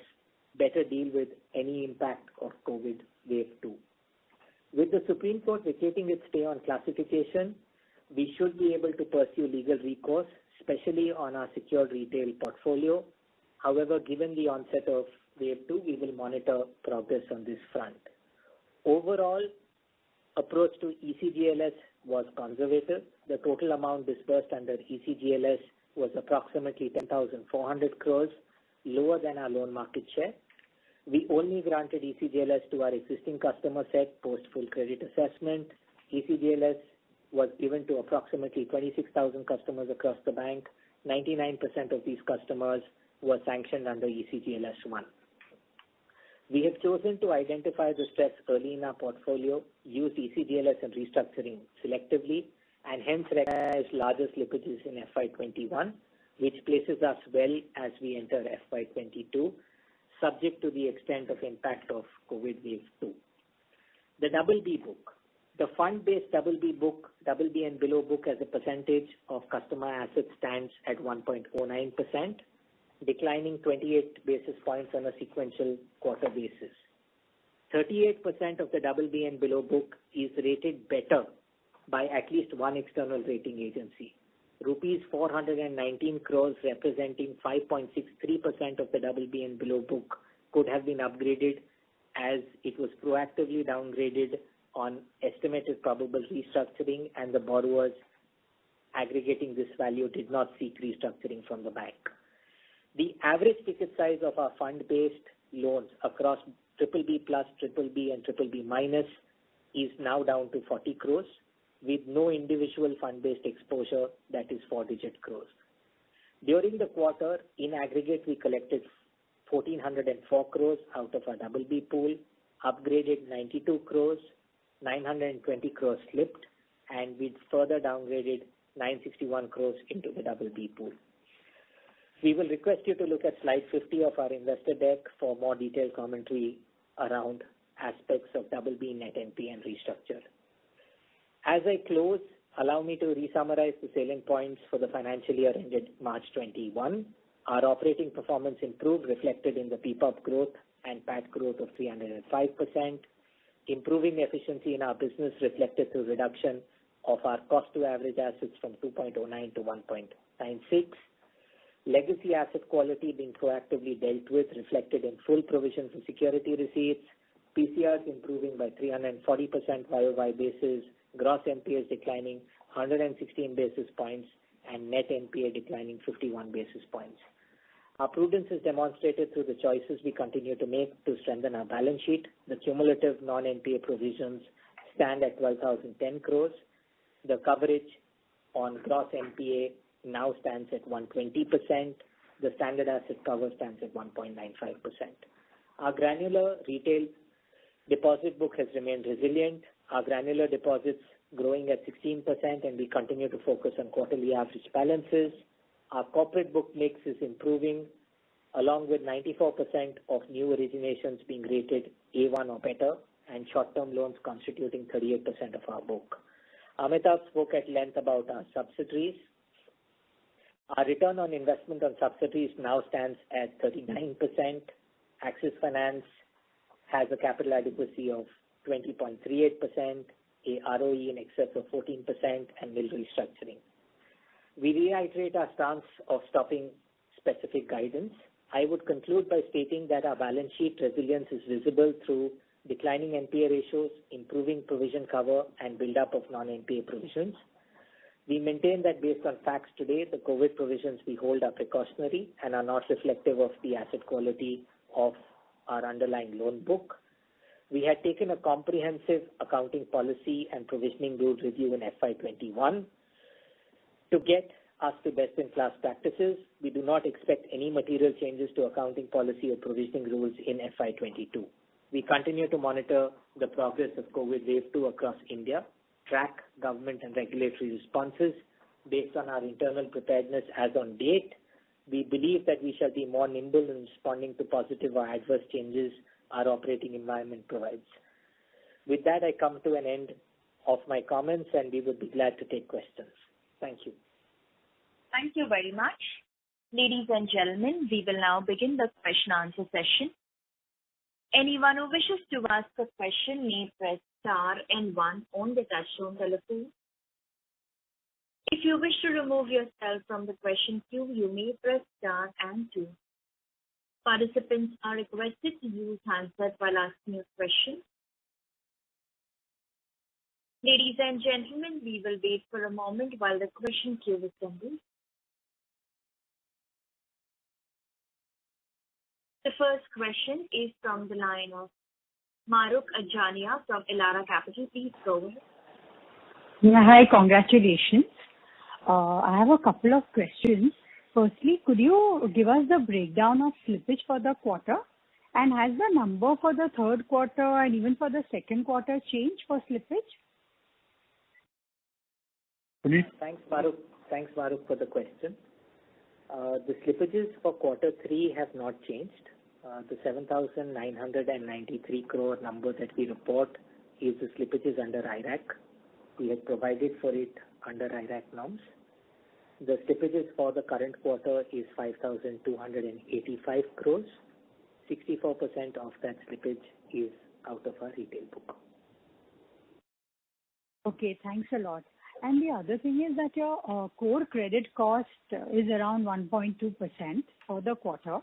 better deal with any impact of COVID-19 Wave Two. With the Supreme Court of India retaining its stay on classification, we should be able to pursue legal recourse, especially on our secured retail portfolio. However, given the onset of Wave 2, we will monitor progress on this front. Overall approach to ECGLS was conservative. The total amount disbursed under ECGLS was approximately 10,400 crores, lower than our loan market share. We only granted ECGLS to our existing customer set post full credit assessment. ECGLS was given to approximately 26,000 customers across the bank. 99% of these customers were sanctioned under ECGLS 1. We have chosen to identify the stress early in our portfolio, use ECGLS and restructuring selectively, and hence recognize largest slippages in FY 2021, which places us well as we enter FY 2022, subject to the extent of impact of COVID-19 Wave 2. The BB book. The fund-based BB and below book as a percentage of customer assets stands at 1.09%, declining 28 basis points on a sequential quarter basis. 38% of the BB and below book is rated better by at least one external rating agency. Rupees 419 crores, representing 5.63% of the BB and below book could have been upgraded as it was proactively downgraded on estimated probable restructuring and the borrowers aggregating this value did not seek restructuring from the bank. The average ticket size of our fund-based loans across BBB+, BBB and BBB- is now down to 40 crores, with no individual fund-based exposure that is four-digit crores. During the quarter, in aggregate, we collected 1,404 crores out of our BB pool, upgraded 92 crores, 920 crores slipped, and we further downgraded 961 crores into the BB pool. We will request you to look at slide 50 of our investor deck for more detailed commentary around aspects of BB net NPA and restructure. As I close, allow me to re-summarize the salient points for the financial year ended March 2021. Our operating performance improved, reflected in the PPOP growth and PAT growth of 305%. Improving efficiency in our business reflected through reduction of our cost to average assets from 2.09 to 1.96. Legacy asset quality being proactively dealt with, reflected in full provision for security receipts. PCRs improving by 340% year-over-year basis. Gross NPAs declining 116 basis points and net NPA declining 51 basis points. Our prudence is demonstrated through the choices we continue to make to strengthen our balance sheet. The cumulative non-NPA provisions stand at 12,010 crores. The coverage on gross NPA now stands at 120%. The standard asset cover stands at 1.95%. Our granular retail deposit book has remained resilient. Our granular deposits growing at 16%, and we continue to focus on quarterly average balances. Our corporate book mix is improving along with 94% of new originations being rated A1 or better, and short-term loans constituting 38% of our book. Amitabh spoke at length about our subsidiaries. Our return on investment on subsidiaries now stands at 39%. Axis Finance has a capital adequacy of 20.38%, a ROE in excess of 14%, and will restructuring. We reiterate our stance of stopping specific guidance. I would conclude by stating that our balance sheet resilience is visible through declining NPA ratios, improving provision cover, and build-up of non-NPA provisions. We maintain that based on facts today, the COVID provisions we hold are precautionary and are not reflective of the asset quality of our underlying loan book. We had taken a comprehensive accounting policy and provisioning rules review in FY 2021 to get us to best-in-class practices. We do not expect any material changes to accounting policy or provisioning rules in FY 2022. We continue to monitor the progress of COVID Wave 2 across India, track government and regulatory responses based on our internal preparedness as on date. We believe that we shall be more nimble in responding to positive or adverse changes our operating environment provides. With that, I come to an end of my comments, and we would be glad to take questions. Thank you.
Thank you very much. Ladies and gentlemen, we will now begin the question answer session. Anyone who wishes to ask a question may press star and one on the touchtone telephone. If you wish to remove yourself from the question queue, you may press star and two. Participants are requested to use handset while asking a question. Ladies and gentlemen, we will wait for a moment while the question queue is ending. The first question is from the line of Mahrukh Adajania from Elara Capital. Please go ahead.
Yeah. Hi, congratulations. I have a couple of questions. Firstly, could you give us the breakdown of slippage for the quarter? Has the number for the third quarter and even for the second quarter changed for slippage?
Please. Thanks, Mahrukh, for the question. The slippages for quarter three have not changed. The 7,993 crore number that we report is the slippages under IRAC. We had provided for it under IRAC norms. The slippages for the current quarter is 5,285 crores. 64% of that slippage is out of our retail book.
Okay. Thanks a lot. The other thing is that your core credit cost is around 1.2% for the quarter.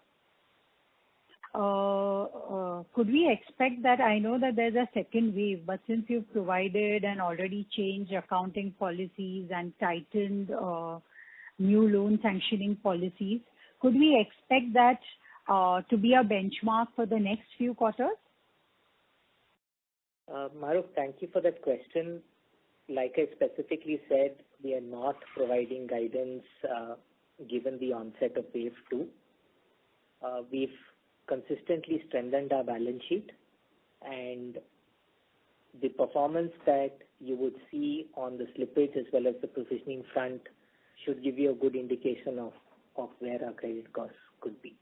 Could we expect that, I know that there's a second wave, but since you've provided and already changed accounting policies and tightened new loan sanctioning policies, could we expect that to be a benchmark for the next few quarters?
Mahrukh, thank you for that question. Like I specifically said, we are not providing guidance given the onset of wave 2. We've consistently strengthened our balance sheet, and the performance that you would see on the slippage as well as the provisioning front should give you a good indication of where our credit costs could be.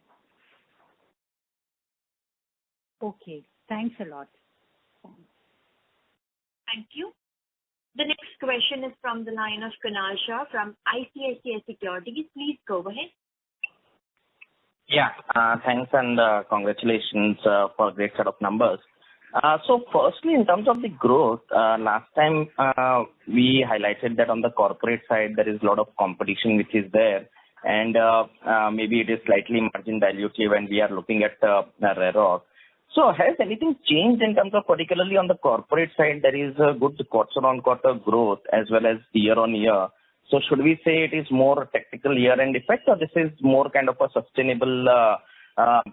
Okay. Thanks a lot.
Thank you. The next question is from the line of Kunal Shah from ICICI Securities. Please go ahead.
Yeah. Congratulations for a great set of numbers. Firstly, in terms of the growth, last time we highlighted that on the corporate side, there is a lot of competition which is there, and maybe it is slightly margin dilutive and we are looking at the ROE. Has anything changed in terms of, particularly on the corporate side, there is a good quarter-on-quarter growth as well as year-on-year. Should we say it is more a technical year-end effect, or this is more kind of a sustainable,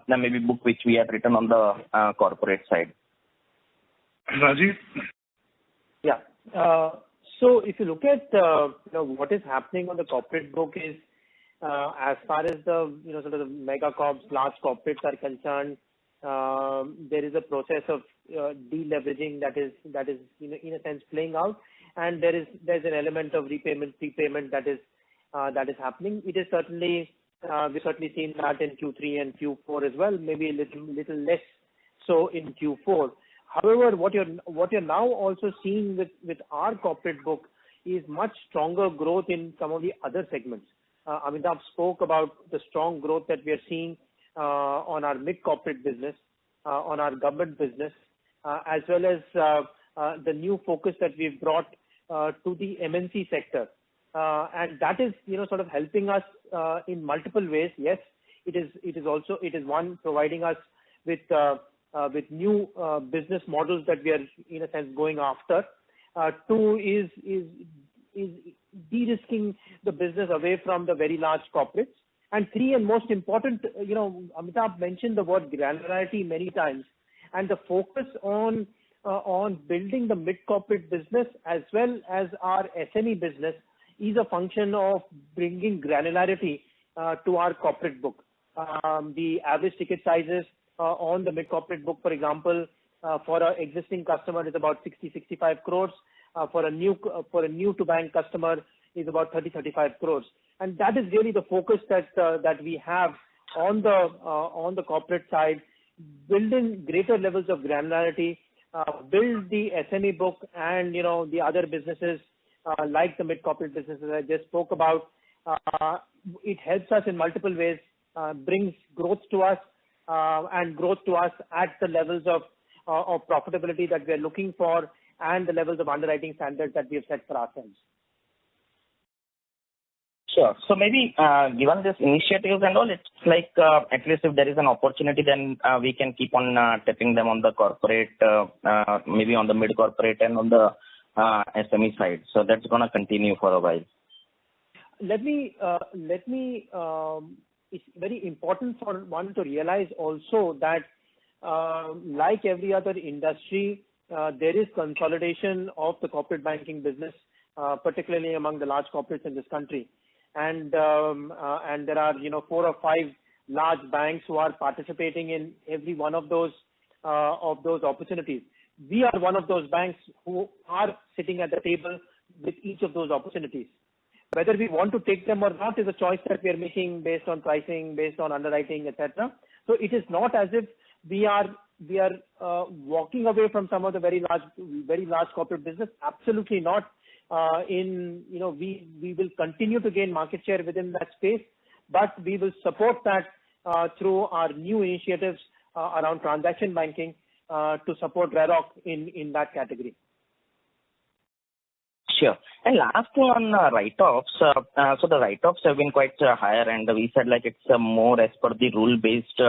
maybe book which we have written on the corporate side?
Rajiv?
Yeah. If you look at what is happening on the corporate book is as far as the sort of mega-corps, large corporates are concerned, there is a process of deleveraging that is in a sense playing out, and there is an element of repayment, prepayment that is happening. We've certainly seen that in Q3 and Q4 as well, maybe a little less so in Q4. However, what you're now also seeing with our corporate book is much stronger growth in some of the other segments. Amitabh spoke about the strong growth that we are seeing on our mid-corporate business, on our government business, as well as the new focus that we've brought to the MNC sector. That is sort of helping us in multiple ways. Yes, it is one, providing us with new business models that we are, in a sense, going after. Two is de-risking the business away from the very large corporates. Three, and most important, Amitabh mentioned the word granularity many times, and the focus on building the mid-corporate business as well as our SME business is a function of bringing granularity to our corporate book. The average ticket sizes on the mid-corporate book, for example, for our existing customer is about 60, 65 crores. For a new to bank customer is about 30, 35 crores. That is really the focus that we have on the corporate side, building greater levels of granularity, build the SME book and the other businesses like the mid-corporate businesses I just spoke about. It helps us in multiple ways, brings growth to us Growth to us at the levels of profitability that we are looking for and the levels of underwriting standards that we have set for ourselves.
Sure. Maybe, given these initiatives and all, it's like at least if there is an opportunity, then we can keep on tapping them on the corporate, maybe on the mid-corporate and on the SME side. That's going to continue for a while.
It's very important for one to realize also that like every other industry, there is consolidation of the corporate banking business, particularly among the large corporates in this country. There are four or five large banks who are participating in every one of those opportunities. We are one of those banks who are sitting at the table with each of those opportunities. Whether we want to take them or not is a choice that we are making based on pricing, based on underwriting, et cetera. It is not as if we are walking away from some of the very large corporate business. Absolutely not. We will continue to gain market share within that space, but we will support that through our new initiatives around transaction banking to support ROE in that category.
Sure. Last one, write-offs. The write-offs have been quite higher, and we said it's more as per the rule-based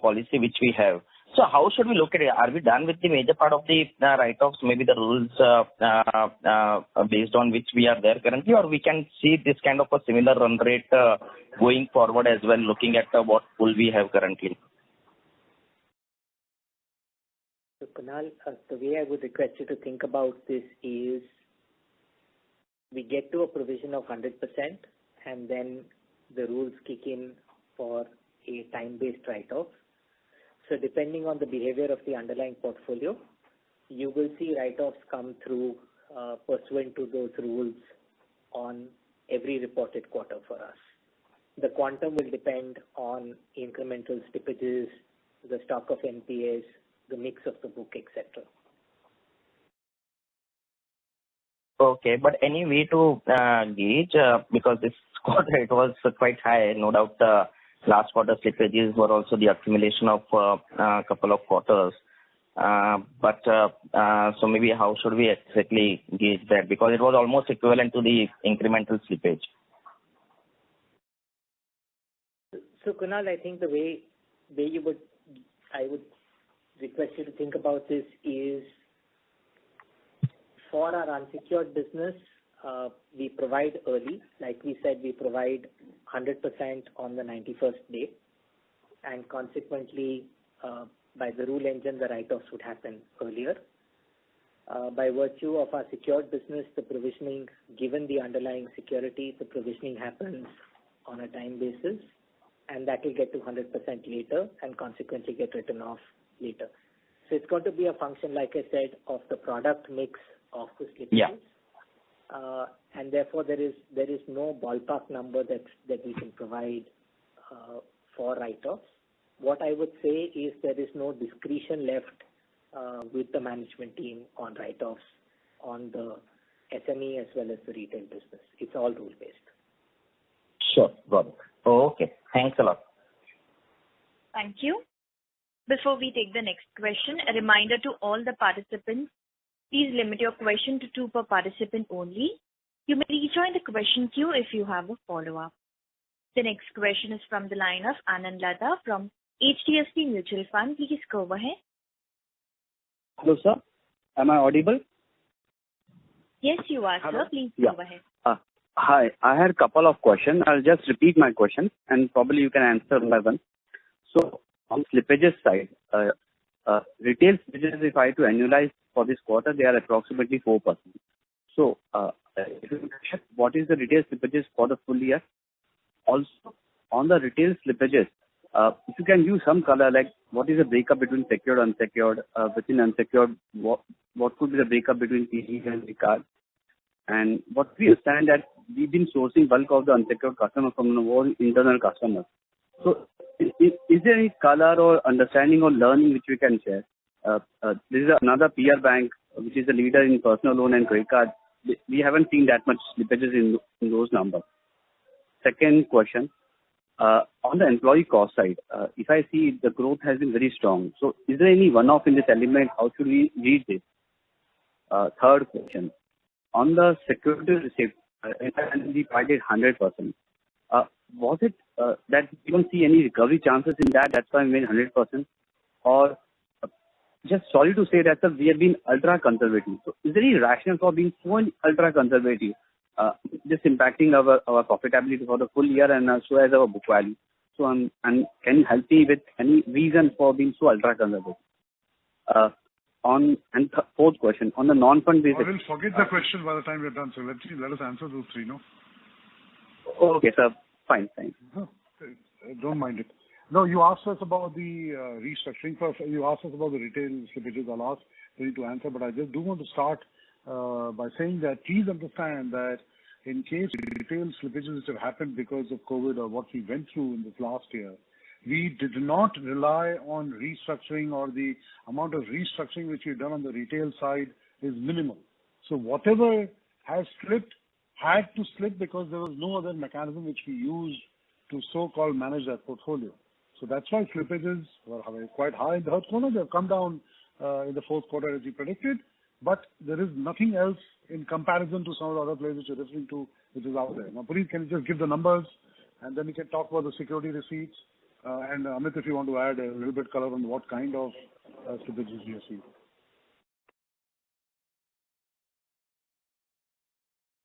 policy which we have. How should we look at it? Are we done with the major part of the write-offs, maybe the rules based on which we are there currently, or we can see this kind of a similar run rate going forward as well, looking at what pool we have currently?
Kunal, the way I would request you to think about this is, we get to a provision of 100%, and then the rules kick in for a time-based write-off. Depending on the behavior of the underlying portfolio, you will see write-offs come through pursuant to those rules on every reported quarter for us. The quantum will depend on incremental slippages, the stock of NPAs, the mix of the book, et cetera.
Okay, any way to gauge because this quarter it was quite high? No doubt the last quarter slippages were also the accumulation of a couple of quarters. Maybe how should we exactly gauge that? It was almost equivalent to the incremental slippage.
Kunal, I think the way I would request you to think about this is, for our unsecured business, we provide early. Like we said, we provide 100% on the 91st day and consequently, by the rule engine, the write-offs would happen earlier. By virtue of our secured business, the provisioning, given the underlying security, the provisioning happens on a time basis, and that will get to 100% later and consequently get written off later. It's going to be a function, like I said, of the product mix of the slippages.
Yeah.
Therefore there is no ballpark number that we can provide for write-offs. What I would say is there is no discretion left with the management team on write-offs on the SME as well as the retail business. It's all rule-based.
Sure. Got it. Okay, thanks a lot.
Thank you. Before we take the next question, a reminder to all the participants, please limit your question to two per participant only. You may rejoin the question queue if you have a follow-up. The next question is from the line of Anand Laddha from HDFC Mutual Fund. Please go ahead.
Hello sir, am I audible?
Yes, you are, sir.
Hello.
Please go ahead.
Hi. I had couple of questions. I'll just repeat my questions and probably you can answer one by one. On slippages side, retail slippages, if I had to annualize for this quarter, they are approximately 4%. What is the retail slippages for the full year? Also, on the retail slippages, if you can give some color like what is the breakup between secured, unsecured, within unsecured, what could be the breakup between CE and the card? What we understand that we've been sourcing bulk of the unsecured customer from our own internal customers. Is there any color or understanding or learning which you can share? This is another [peer] bank which is a leader in personal loan and credit card. We haven't seen that much slippages in those numbers. Second question, on the employee cost side, if I see the growth has been very strong. Is there any one-off in this element? How should we read this? Third question, on the security we provided 100%. Was it that you don't see any recovery chances in that's why you made 100% or just sorry to say that, sir, we have been ultra-conservative. Is there any rationale for being so ultra-conservative, just impacting our profitability for the full year and so as our book value? Can you help me with any reason for being so ultra-conservative? Fourth question, on the non-fund basic-
He'll forget the question by the time we're done, so let us answer those three, no?
Oh, okay, sir. Fine. Thanks.
No, don't mind it. No, you asked us about the restructuring first. You asked us about the retail slippages are last. We need to answer. I just do want to start by saying that please understand that in case retail slippages have happened because of COVID or what we went through in this last year, we did not rely on restructuring or the amount of restructuring which we've done on the retail side is minimal. Whatever has slipped had to slip because there was no other mechanism which we used to so-called manage that portfolio. That's why slippages were quite high in the third quarter. They have come down in the fourth quarter as we predicted. There is nothing else in comparison to some of the other places you're referring to, which is out there. Now, Puneet, can you just give the numbers, and then we can talk about the security receipts. Amit, if you want to add a little bit color on what kind of slippages you have seen.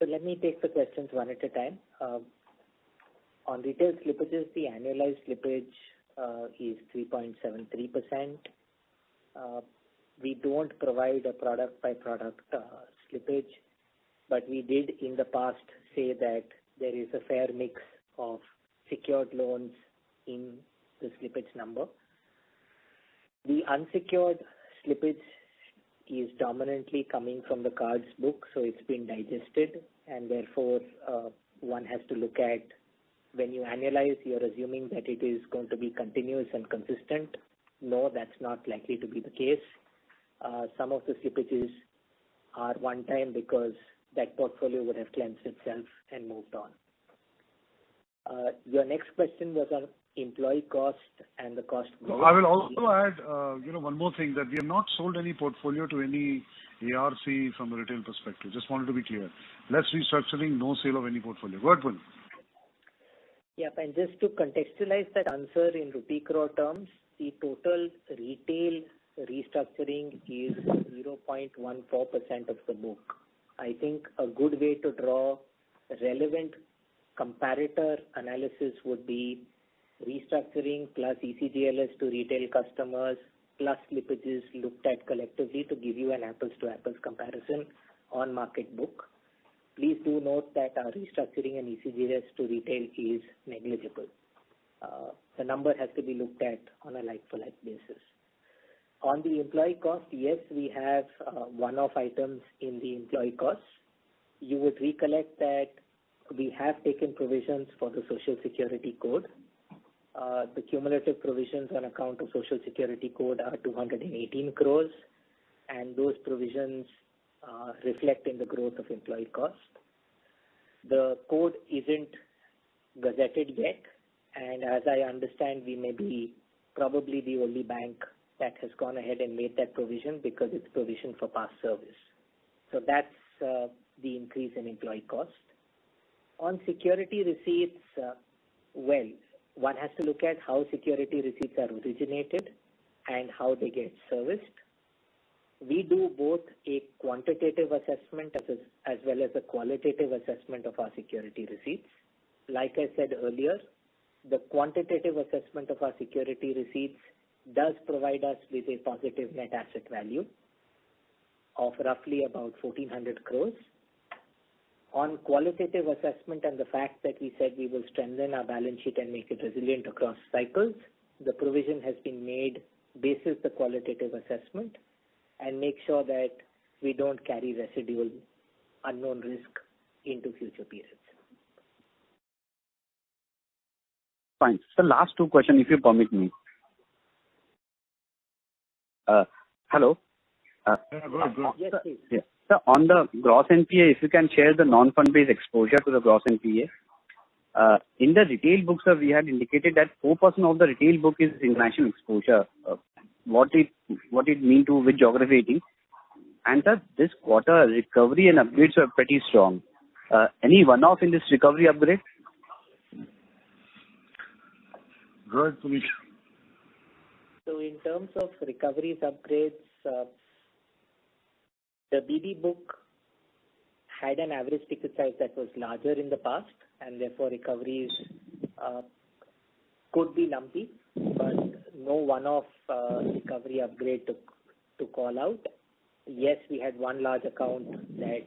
Let me take the questions one at a time. On retail slippages, the annualized slippage is 3.73%. We don't provide a product-by-product slippage, but we did in the past say that there is a fair mix of secured loans in the slippage number. The unsecured slippage is dominantly coming from the cards book, so it's been digested and therefore, one has to look at when you annualize, you're assuming that it is going to be continuous and consistent. No, that's not likely to be the case. Some of the slippages are one time because that portfolio would have cleansed itself and moved on. Your next question was on employee cost and the cost-
I will also add one more thing, that we have not sold any portfolio to any ARC from a retail perspective. Just wanted to be clear. Less restructuring, no sale of any portfolio. Go ahead, Puneet.
Just to contextualize that answer in rupee crore terms, the total retail restructuring is 0.14% of the book. I think a good way to draw relevant comparator analysis would be restructuring plus ECGLS to retail customers, plus slippages looked at collectively to give you an apples-to-apples comparison on market book. Please do note that our restructuring and ECGLS to retail is negligible. The number has to be looked at on a like-for-like basis. On the employee cost, yes, we have one-off items in the employee costs. You would recollect that we have taken provisions for the Social Security Code. The cumulative provisions on account of Social Security Code are 218 crore. Those provisions are reflected in the growth of employee cost. The code isn't gazetted yet. As I understand, we may be probably the only bank that has gone ahead and made that provision because it's provision for past service. That's the increase in employee cost. On security receipts, well, one has to look at how security receipts are originated and how they get serviced. We do both a quantitative assessment, as well as a qualitative assessment of our security receipts. Like I said earlier, the quantitative assessment of our security receipts does provide us with a positive net asset value of roughly about 1,400 crores. On qualitative assessment and the fact that we said we will strengthen our balance sheet and make it resilient across cycles, the provision has been made based the qualitative assessment and make sure that we don't carry residual unknown risk into future periods.
Fine. Sir, last two questions, if you permit me. Hello? Sir, on the gross NPA, if you can share the non-fund based exposure to the gross NPA. In the retail book, sir, we had indicated that 4% of the retail book is international exposure. What it mean to which geography it is? Sir, this quarter, recovery and upgrades are pretty strong. Any one-off in this recovery upgrade?
Go ahead, Puneet.
In terms of recoveries upgrades, the BB book had an average ticket size that was larger in the past, and therefore, recoveries could be lumpy, but no one-off recovery upgrade to call out. Yes, we had one large account that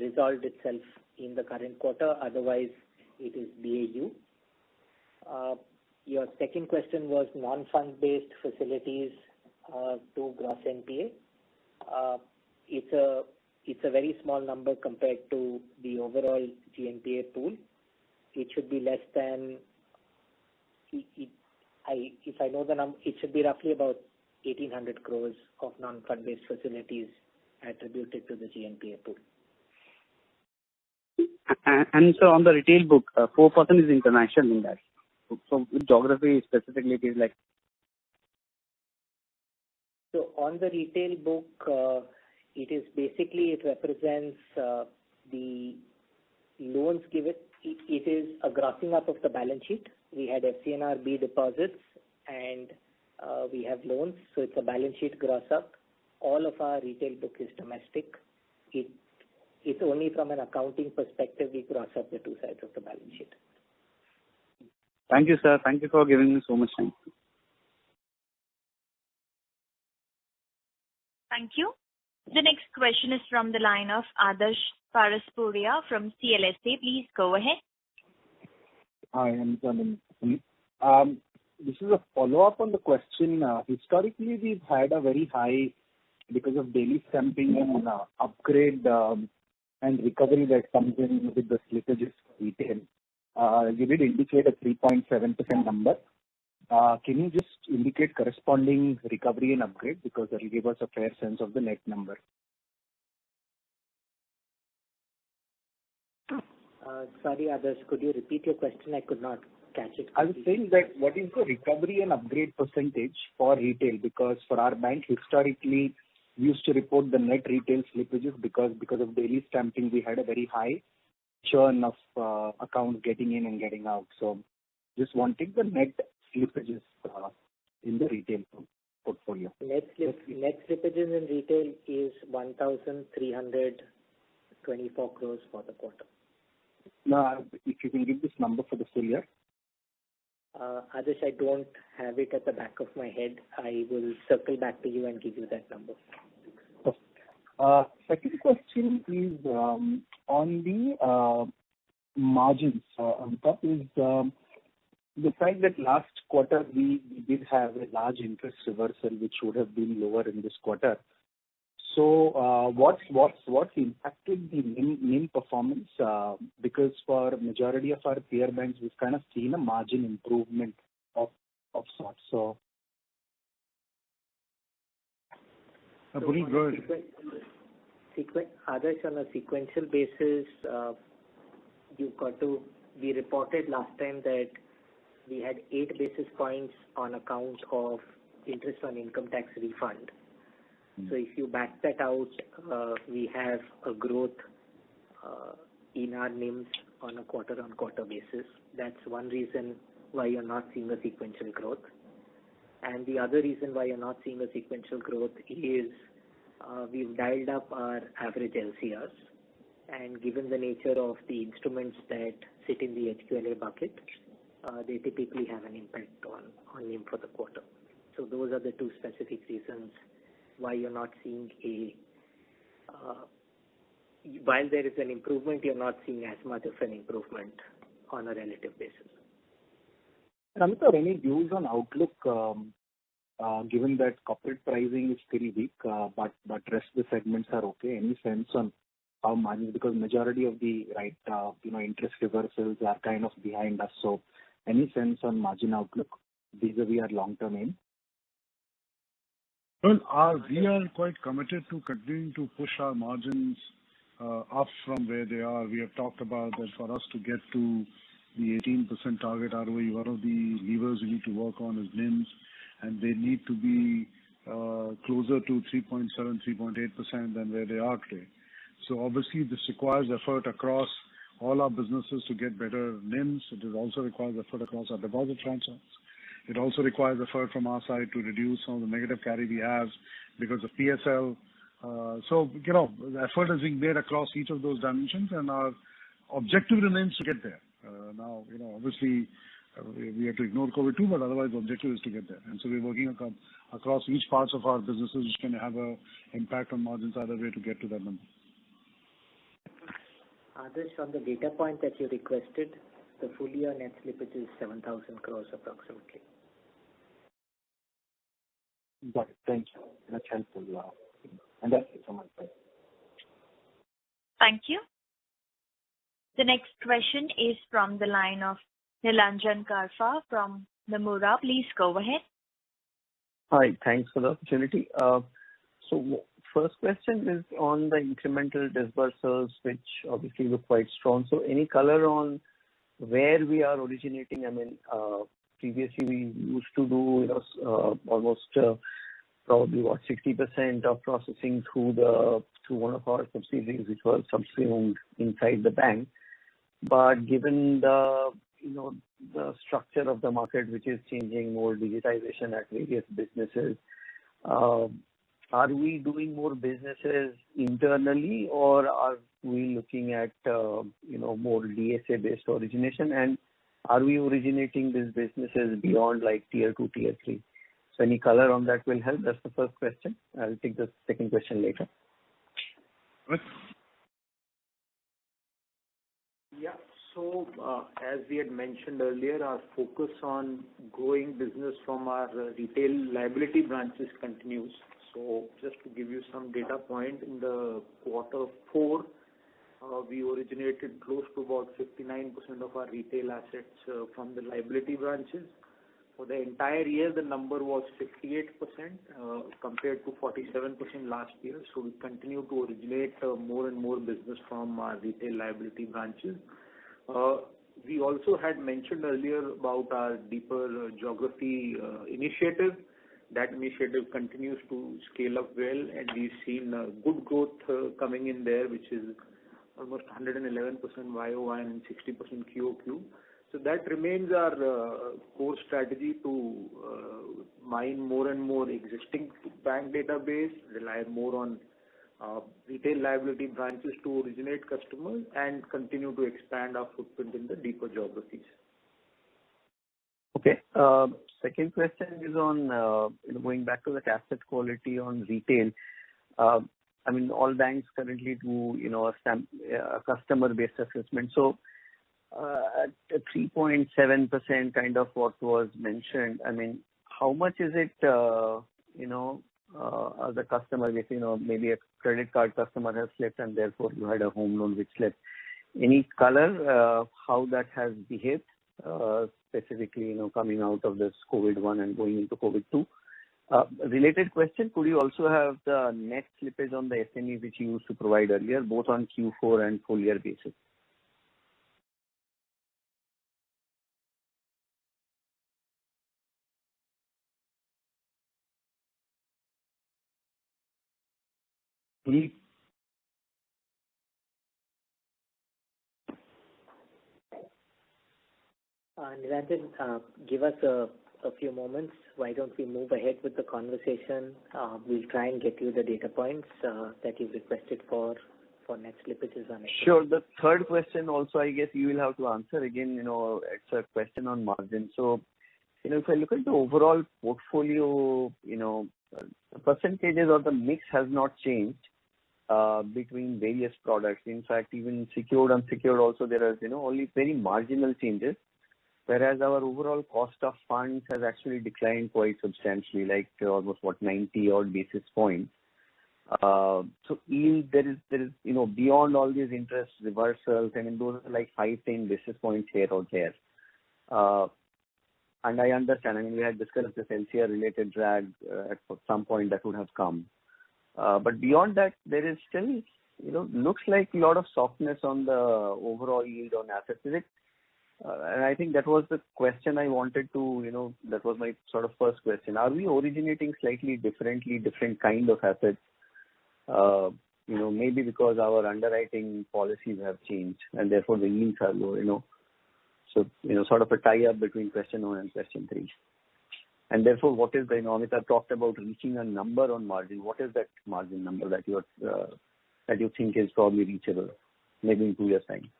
resolved itself in the current quarter. Otherwise, it is BAU. Your second question was non-fund-based facilities to gross NPA. It's a very small number compared to the overall GNPA pool. If I know the number, it should be roughly about 1,800 crores of non-fund-based facilities attributed to the GNPA pool.
Sir, on the retail book, 4% is international in that. Which geography specifically it is like?
On the retail book, it is a grossing up of the balance sheet. We had FCNRB deposits and we have loans, it's a balance sheet gross up. All of our retail book is domestic. It's only from an accounting perspective, we gross up the two sides of the balance sheet.
Thank you, sir. Thank you for giving me so much time.
Thank you. The next question is from the line of Adarsh Parasrampuria from CLSA. Please go ahead.
Hi. This is a follow-up on the question. Historically, we've had a very high because of daily stamping and upgrade and recovery that comes in with the slippages for retail. You did indicate a 3.7% number. Can you just indicate corresponding recovery and upgrade because that will give us a fair sense of the net number?
Sorry, Adarsh. Could you repeat your question? I could not catch it completely.
I was saying that what is the recovery and upgrade percentage for retail because for our bank historically used to report the net retail slippages because of daily stamping, we had a very high churn of accounts getting in and getting out. I am just wanting the net slippages in the retail portfolio.
Net slippages in retail is 1,324 crores for the quarter.
Now if you can give this number for this full year.
Adarsh, I don't have it at the back of my head. I will circle back to you and give you that number.
Okay. Second question is on the margins. Amitabh is the fact that last quarter we did have a large interest reversal, which would have been lower in this quarter. What's impacting the NIM performance? For majority of our peer banks, we've kind of seen a margin improvement of sorts.
Adarsh, on a sequential basis, we reported last time that we had eight basis points on account of interest on income tax refund. If you back that out, we have a growth in our NIMs on a quarter-on-quarter basis. That's one reason why you're not seeing a sequential growth. The other reason why you're not seeing a sequential growth is, we've dialed up our average LCRs. Given the nature of the instruments that sit in the HQLA bucket, they typically have an impact on NIM for the quarter. Those are the two specific reasons why, while there is an improvement, you're not seeing as much of an improvement on a relative basis.
Amitabh, any views on outlook? Given that corporate pricing is still weak, but rest of the segments are okay. Any sense on our margin? Because majority of the interest reversals are kind of behind us. Any sense on margin outlook vis-a-vis our long-term aim?
We are quite committed to continuing to push our margins up from where they are. We have talked about that for us to get to the 18% target ROE, one of the levers we need to work on is NIMs, and they need to be closer to 3.7%, 3.8% than where they are today. Obviously this requires effort across all our businesses to get better NIMs. It also requires effort across our deposit sponsors. It also requires effort from our side to reduce some of the negative carry we have because of PSL. Effort is being made across each of those dimensions, and our objective remains to get there. Obviously, we have to ignore COVID-19, but otherwise the objective is to get there. We are working across each part of our businesses which can have an impact on margins either way to get to that number.
Adarsh, from the data point that you requested, the full year net slippage is 7,000 crores approximately.
Got it. Thank you. That's it from my side.
Thank you. The next question is from the line of Nilanjan Karfa from Nomura. Please go ahead.
Hi. Thanks for the opportunity. First question is on the incremental disbursements, which obviously look quite strong. Any color on where we are originating? Previously we used to do almost probably what, 60% of processing through one of our subsidiaries which was subsumed inside the bank. Given the structure of the market, which is changing, more digitization at various businesses, are we doing more businesses internally or are we looking at more DSA-based origination? Are we originating these businesses beyond tier two, tier three? Any color on that will help. That's the first question. I'll take the second question later.
Amit?
Yeah. As we had mentioned earlier, our focus on growing business from our retail liability branches continues. Just to give you some data point, in the quarter four, we originated close to about 59% of our retail assets from the liability branches. For the entire year, the number was 58%, compared to 47% last year. We continue to originate more and more business from our retail liability branches. We also had mentioned earlier about our deeper geography initiative. That initiative continues to scale up well, and we've seen a good growth coming in there, which is almost 111% YOY and 60% QOQ. That remains our core strategy to mine more and more existing bank database, rely more on retail liability branches to originate customers, and continue to expand our footprint in the deeper geographies.
Okay. Second question is on going back to that asset quality on retail. All banks currently do a customer-based assessment. At 3.7% kind of what was mentioned, how much is it the customer base, maybe a credit card customer has slipped and therefore you had a home loan which slipped? Any color how that has behaved, specifically coming out of this COVID one and going into COVID two? Related question, could you also have the net slippage on the SME which you used to provide earlier, both on Q4 and full year basis? Please.
Nilanjan, give us a few moments. Why don't we move ahead with the conversation? We'll try and get you the data points that you've requested for net slippages on SME.
Sure. The third question also, I guess you will have to answer again, it's a question on margin. If I look at the overall portfolio, the % or the mix has not changed between various products. In fact, even secured, unsecured also, there are only very marginal changes. Our overall cost of funds has actually declined quite substantially, like almost what, 90 odd basis points. Beyond all these interest reversals and those are like five, 10 basis points here or there. I understand. I mean, we had discussed this LCR-related drag at some point that would have come. Beyond that, there is still looks like a lot of softness on the overall yield on assets. Is it? I think that was the question that was my sort of first question. Are we originating slightly differently, different kind of assets? Maybe because our underwriting policies have changed and therefore the yields are low. Sort of a tie-up between question one and question three. amitabh talked about reaching a number on margin. What is that margin number that you think is probably reachable maybe in two years' time?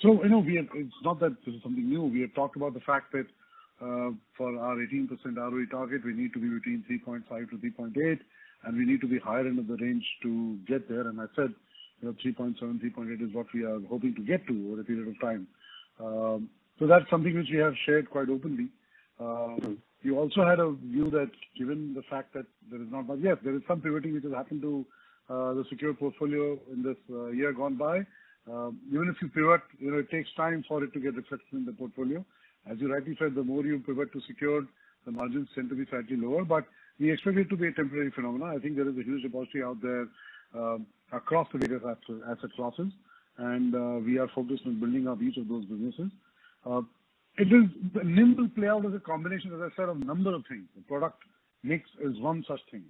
It's not that this is something new. We had talked about the fact that for our 18% ROE target, we need to be between 3.5-3.8, and we need to be higher end of the range to get there, and I said 3.7, 3.8 is what we are hoping to get to over a period of time. That's something which we have shared quite openly. We also had a view that given the fact that there is not much, yes, there is some pivoting which has happened to the secure portfolio in this year gone by. Even if you pivot, it takes time for it to get reflected in the portfolio. As you rightly said, the more you pivot to secured, the margins tend to be slightly lower. We expect it to be a temporary phenomenon. I think there is a huge deposit out there across the various asset classes, and we are focused on building up each of those businesses. NIM will play out as a combination, as I said, of number of things. The product mix is one such thing.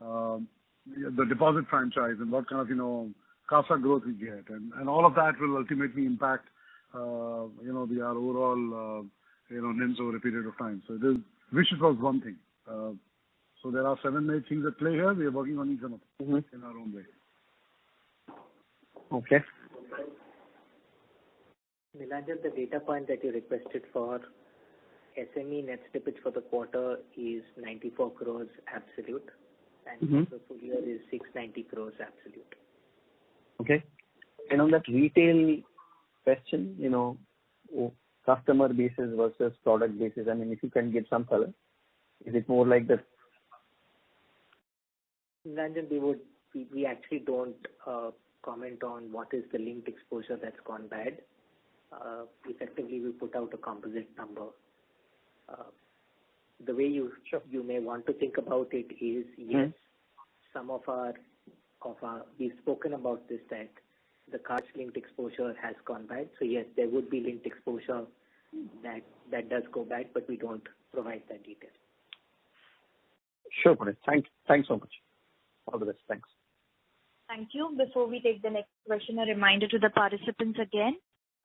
The deposit franchise and what kind of CASA growth we get, and all of that will ultimately impact our overall NIMs over a period of time. Wish it was one thing. There are seven, eight things at play here. We are working on each of them in our own way.
Okay.
Nilanjan, the data point that you requested for SME net slippage for the quarter is 94 crores absolute. For the full year is 690 crores absolute.
Okay. On that retail question, customer basis versus product basis, if you can give some color.
Nilanjan, we actually don't comment on what is the linked exposure that's gone bad. Effectively, we put out a composite number. The way you may want to think about it is, yes. we've spoken about this, that the card-linked exposure has gone bad. Yes, there would be linked exposure that does go bad, but we don't provide that detail.
Sure, Manish. Thanks so much. All the best. Thanks.
Thank you. Before we take the next question, a reminder to the participants again.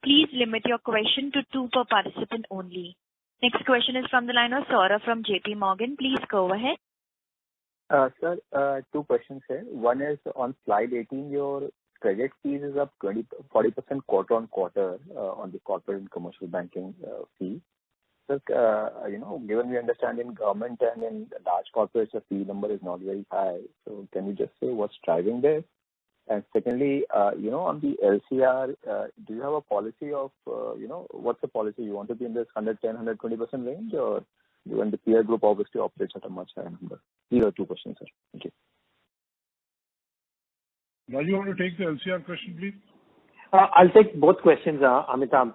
Please limit your question to two per participant only. Next question is from the line of Saurabh from JPMorgan. Please go ahead.
Sir, two questions here. One is on slide 18, your credit fees is up 40% quarter-on-quarter on the corporate and commercial banking fee. Sir, given the understanding government and in large corporates, the fee number is not very high. Can you just say what's driving this? Secondly, on the LCR, do you have a policy of, what's the policy? You want to be in this 110%-120% range? The peer group obviously operates at a much higher number. These are two questions, sir. Thank you.
Rajiv, you want to take the LCR question, please?
I'll take both questions, Amitabh.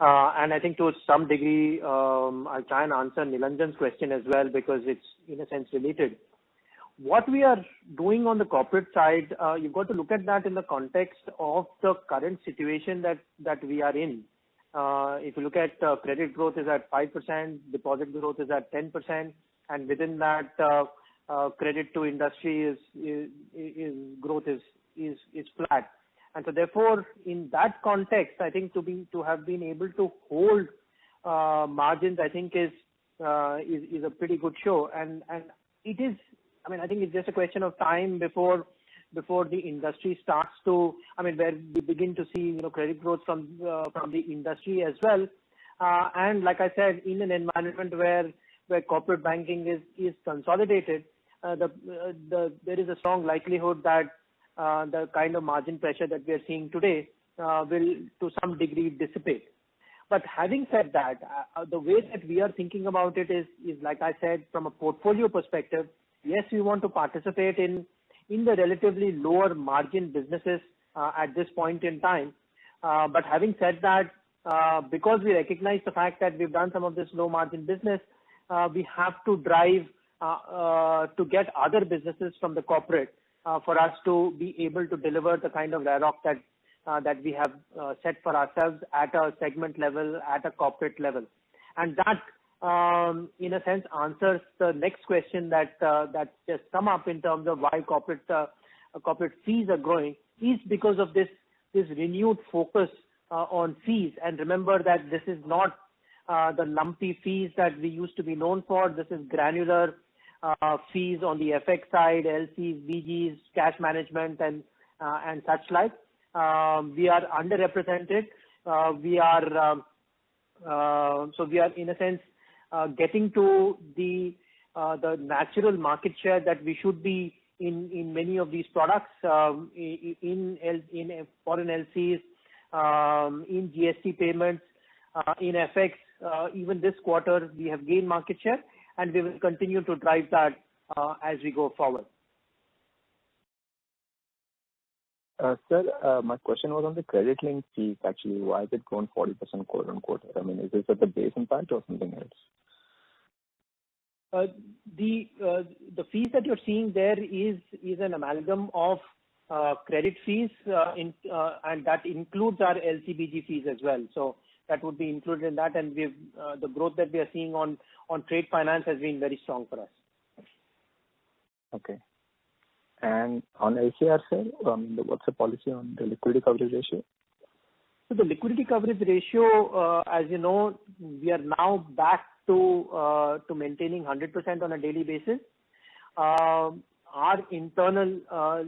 I think to some degree, I'll try and answer Nilanjan's question as well because it's in a sense related. What we are doing on the corporate side, you've got to look at that in the context of the current situation that we are in. If you look at credit growth is at 5%, deposit growth is at 10%, and within that, credit to industry growth is flat. Therefore, in that context, I think to have been able to hold margins, I think is a pretty good show. I think it's just a question of time before we begin to see credit growth from the industry as well. Like I said, in an environment where corporate banking is consolidated, there is a strong likelihood that the kind of margin pressure that we are seeing today will to some degree dissipate. Having said that, the way that we are thinking about it is, like I said, from a portfolio perspective, yes, we want to participate in the relatively lower margin businesses at this point in time. Having said that, because we recognize the fact that we've done some of this low margin business, we have to drive to get other businesses from the corporate for us to be able to deliver the kind of write-off that we have set for ourselves at a segment level, at a corporate level. That, in a sense, answers the next question that just come up in terms of why corporate fees are growing is because of this renewed focus on fees. Remember that this is not the lumpy fees that we used to be known for. This is granular fees on the FX side, LCs, BGs, cash management, and such like. We are underrepresented. We are, in a sense, getting to the natural market share that we should be in many of these products, in foreign LCs, in GST payments, in FX. Even this quarter we have gained market share, and we will continue to drive that as we go forward.
Sir, my question was on the credit link fees, actually. Why has it grown 40% quote-unquote? I mean, is this at the base impact or something else?
The fees that you're seeing there is an amalgam of credit fees, and that includes our LCBG fees as well. That would be included in that. The growth that we are seeing on trade finance has been very strong for us.
Okay. On LCR side, I mean, what's the policy on the liquidity coverage ratio?
The liquidity coverage ratio, as you know, we are now back to maintaining 100% on a daily basis. Our internal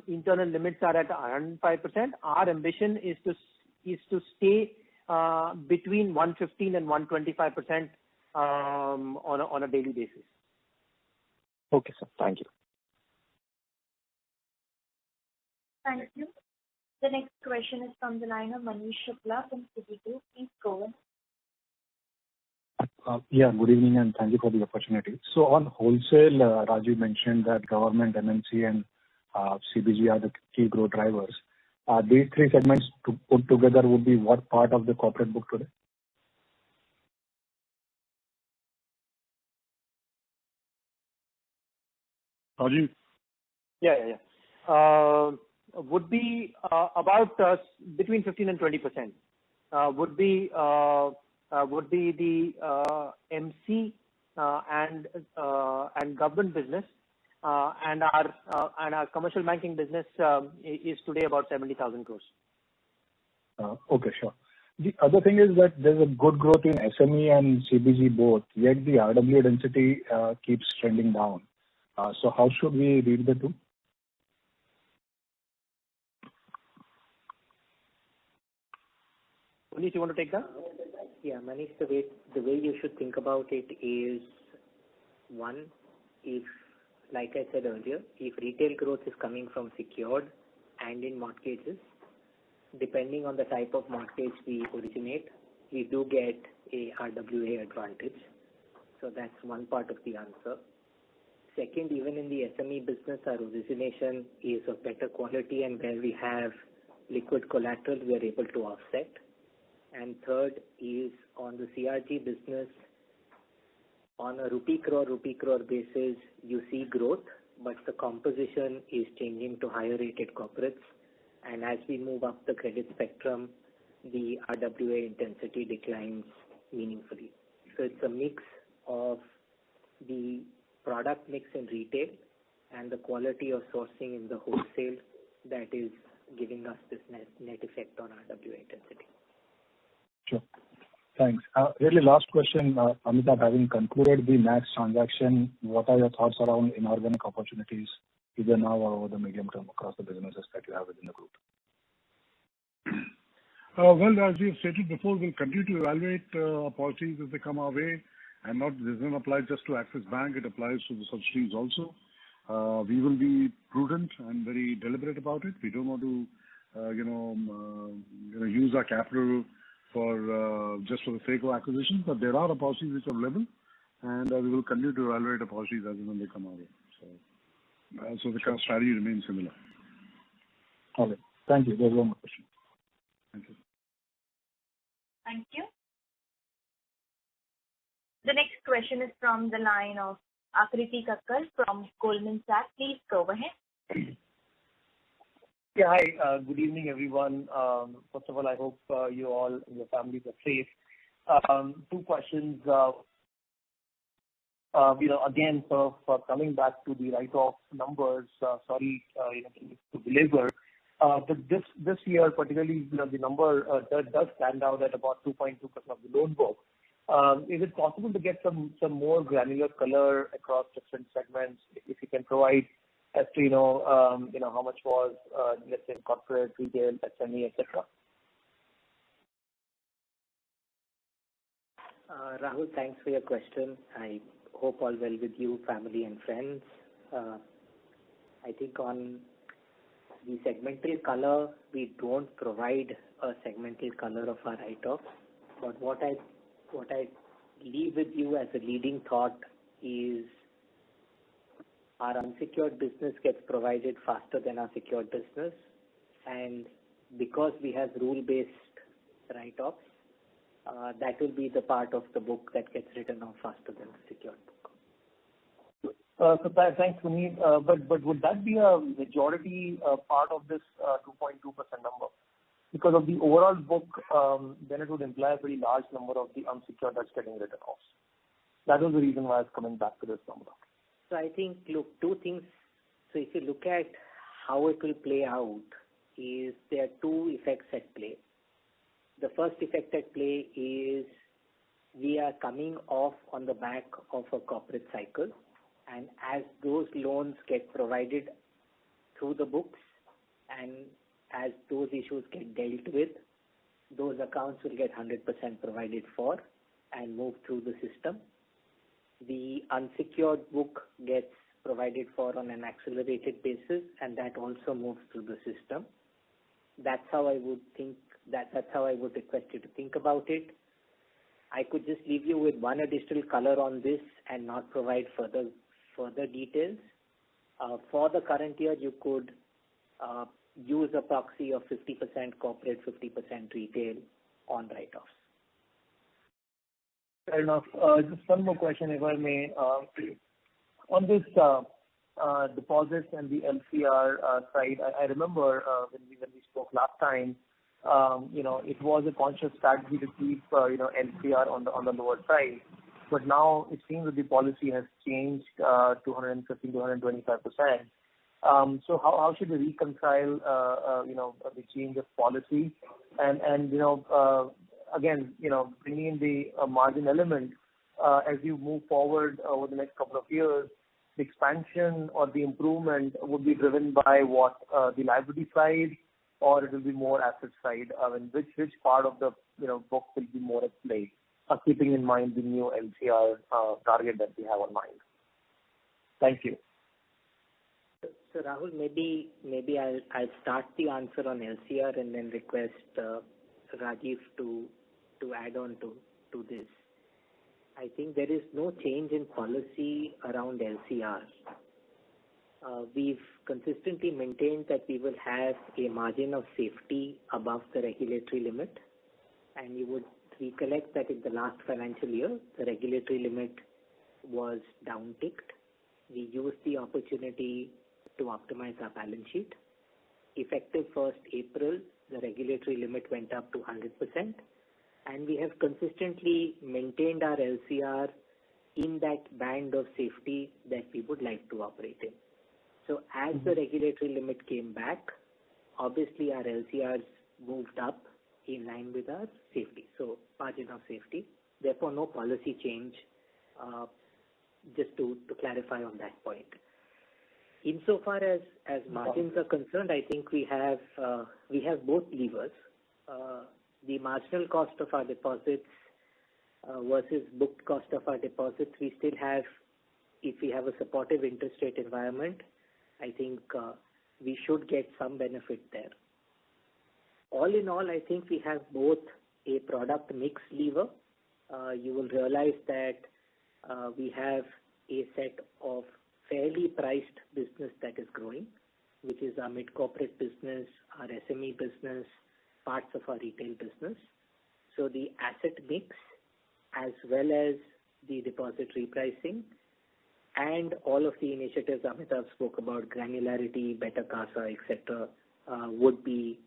limits are at 105%. Our ambition is to stay between 115% and 125% on a daily basis.
Okay, sir. Thank you.
Thank you. The next question is from the line of Manish Shukla from Citigroup. Please go ahead.
Yeah, good evening, and thank you for the opportunity. On wholesale, Rajiv mentioned that government, MNC and CBG are the key growth drivers. These three segments to put together would be what part of the corporate book today?
Rajiv?
Yeah. Would be about between 15% and 20% would be the MC and government business. Our commercial banking business is today about 70,000 crore.
Okay, sure. The other thing is that there's a good growth in SME and CBG both, yet the RWA density keeps trending down. How should we read the two?
Puneet, do you want to take that?
Manish, the way you should think about it is, one, like I said earlier, if retail growth is coming from secured and in mortgages, depending on the type of mortgage we originate, we do get a RWA advantage. That's one part of the answer. Second, even in the SME business, our origination is of better quality, and where we have liquid collateral, we are able to offset. Third is on the CBG business. On a rupee crore basis, you see growth, but the composition is changing to higher-rated corporates. As we move up the credit spectrum, the RWA intensity declines meaningfully. It's a mix of the product mix in retail and the quality of sourcing in the wholesale that is giving us this net effect on RWA intensity.
Sure. Thanks. Really last question, Amitabh. Having concluded the Max transaction, what are your thoughts around inorganic opportunities, either now or over the medium term across the businesses that you have within the Group?
Well, as we have stated before, we'll continue to evaluate opportunities as they come our way, and this doesn't apply just to Axis Bank, it applies to the subsidiaries also. We will be prudent and very deliberate about it. We don't want to use our capital just for the sake of acquisition. There are opportunities which are available, and we will continue to evaluate opportunities as and when they come our way. The kind of strategy remains similar.
Got it. Thank you. There's no more questions.
Thank you.
Thank you. The next question is from the line of Rahul Jain from Goldman Sachs. Please go ahead.
Yeah, hi. Good evening, everyone. First of all, I hope you all and your families are safe. Two questions. Again, sir, coming back to the write-off numbers. Sorry to belabor, but this year particularly, the number does stand out at about 2.2% of the loan book. Is it possible to get some more granular color across different segments? If you can provide as to how much was, let's say, in corporate, retail, SME, et cetera.
Rahul, thanks for your question. I hope all well with you, family, and friends. I think The segmental color, we don't provide a segmental color of our write-offs. What I leave with you as a leading thought is our unsecured business gets provided faster than our secured business. Because we have rule-based write-offs, that will be the part of the book that gets written off faster than the secured book.
Okay. Thanks, Sumit. Would that be a majority part of this 2.2% number? Because of the overall book then it would imply a very large number of the unsecured that's getting written off. That was the reason why I was coming back to this number.
I think, look, two things. If you look at how it will play out, is there are two effects at play. The first effect at play is we are coming off on the back of a corporate cycle, and as those loans get provided through the books, and as those issues get dealt with, those accounts will get 100% provided for and move through the system. The unsecured book gets provided for on an accelerated basis, and that also moves through the system. That's how I would request you to think about it. I could just leave you with one additional color on this and not provide further details. For the current year, you could use a proxy of 50% corporate, 50% retail on write-offs.
Fair enough. Just one more question, if I may, please. On this deposits and the LCR side, I remember when we spoke last time it was a conscious strategy to keep LCR on the lower side. Now it seems that the policy has changed to 150%, 125%. How should we reconcile the change of policy and again bringing in the margin element as you move forward over the next couple of years, the expansion or the improvement would be driven by what? The liability side or it will be more asset side? I mean, which part of the book will be more at play? Keeping in mind the new LCR target that we have on mind. Thank you.
Rahul Jain, maybe I'll start the answer on LCR and then request Rajiv Anand to add on to this. I think there is no change in policy around LCR. We've consistently maintained that we will have a margin of safety above the regulatory limit, and you would recollect that in the last financial year, the regulatory limit was down-ticked. We used the opportunity to optimize our balance sheet. Effective first April, the regulatory limit went up to 100% and we have consistently maintained our LCR in that band of safety that we would like to operate in. As the regulatory limit came back, obviously our LCRs moved up in line with our safety. Margin of safety, therefore no policy change. Just to clarify on that point. Insofar as margins are concerned, I think we have both levers. The marginal cost of our deposits versus booked cost of our deposits, if we have a supportive interest rate environment, I think we should get some benefit there. All in all, I think we have both a product mix lever. You will realize that we have a set of fairly priced business that is growing, which is our mid-corporate business, our SME business, parts of our retail business. The asset mix as well as the deposit repricing and all of the initiatives Amitabh spoke about granularity, better CASA, et cetera, would be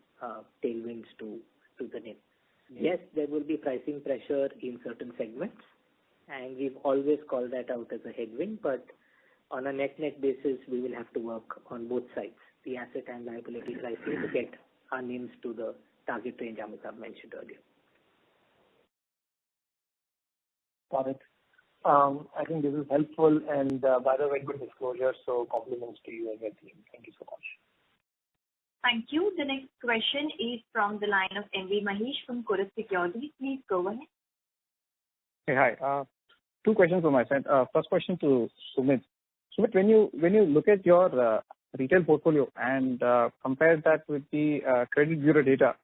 tailwinds to the NIM. Yes, there will be pricing pressure in certain segments, and we've always called that out as a headwind. On a net-net basis, we will have to work on both sides, the asset and liability pricing to get our NIMs to the target range Amitabh mentioned earlier.
Got it. I think this is helpful and by the way, very good disclosure, so compliments to you and your team. Thank you so much.
Thank you. The next question is from the line of M.B. Mahesh from Kotak Securities. Please go ahead.
Hey, hi. Two questions on my end. Two questions on my end. First question to Sumit. Sumit, when you look at your retail portfolio and compare that with the credit bureau data,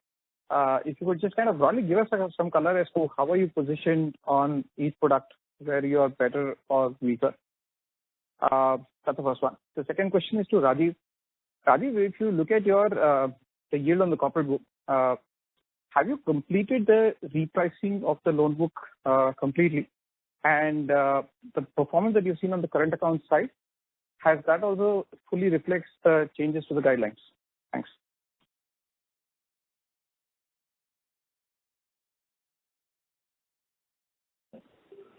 if you would just kind of broadly give us some color as to how are you positioned on each product where you are better or weaker? That's the first one. The second question is to Rajiv. Rajiv, if you look at the yield on the corporate book, have you completed the repricing of the loan book completely? The performance that you've seen on the current account side, has that also fully reflected the changes to the guidelines? Thanks.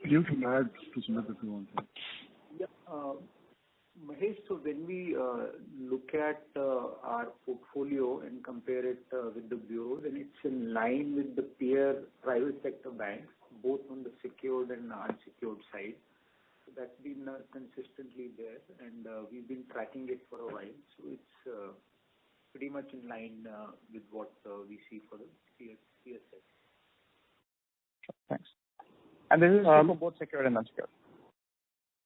You can add to Sumit if you want.
Yeah. Mahesh, when we look at our portfolio and compare it with the bureaus and it's in line with the peer private sector banks, both on the secured and unsecured side. That's been consistently there and we've been tracking it for a while. It's pretty much in line with what we see for the CSS.
Thanks. This is for both secured and unsecured?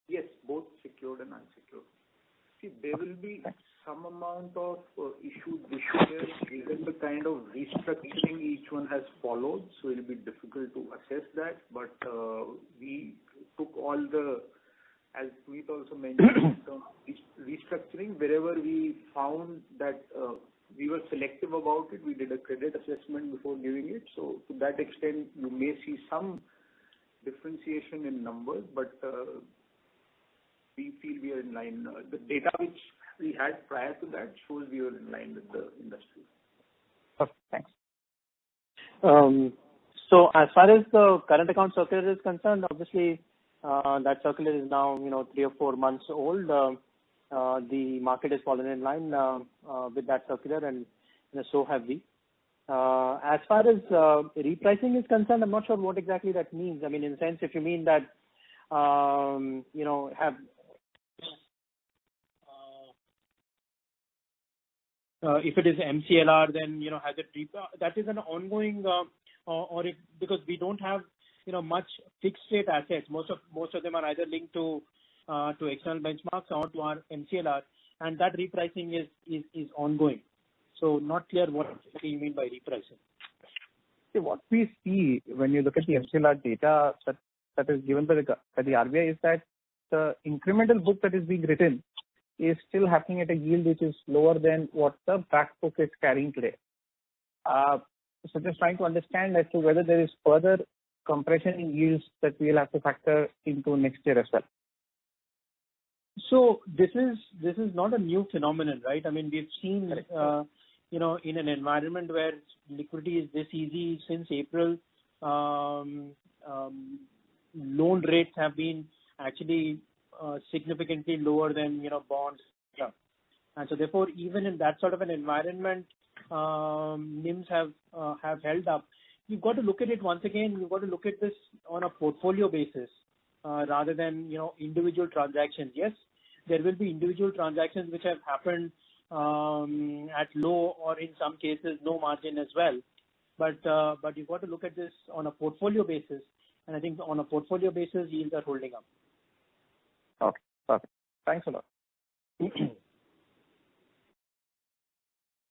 Yes, both secured and unsecured. See, there will be some amount of issue there because the kind of restructuring each one has followed. It'll be difficult to assess that. We took all the, as [puneet] also mentioned, restructuring. Wherever we found that we were selective about it, we did a credit assessment before giving it. To that extent, you may see some differentiation in numbers, but we feel we are in line. The data which we had prior to that shows we were in line with the industry.
Okay, thanks. As far as the current account circular is concerned, obviously, that circular is now three or four months old. The market has fallen in line with that circular and so have we. As far as repricing is concerned, I'm not sure what exactly that means. If it is MCLR, that is an ongoing, because we don't have much fixed rate assets. Most of them are either linked to external benchmarks or to our MCLR, and that repricing is ongoing. Not clear what exactly you mean by repricing.
What we see when you look at the MCLR data that is given by the RBI is that the incremental book that is being written is still happening at a yield which is lower than what the back book is carrying today. Just trying to understand as to whether there is further compression in yields that we'll have to factor into next year as well.
This is not a new phenomenon, right? We've seen in an environment where liquidity is this easy since April. Loan rates have been actually significantly lower than bonds.
Yeah.
Therefore, even in that sort of an environment, NIMs have held up. You've got to look at it once again. You've got to look at this on a portfolio basis rather than individual transactions. Yes, there will be individual transactions which have happened at low or in some cases no margin as well. You've got to look at this on a portfolio basis. I think on a portfolio basis, yields are holding up.
Okay. Perfect. Thanks a lot.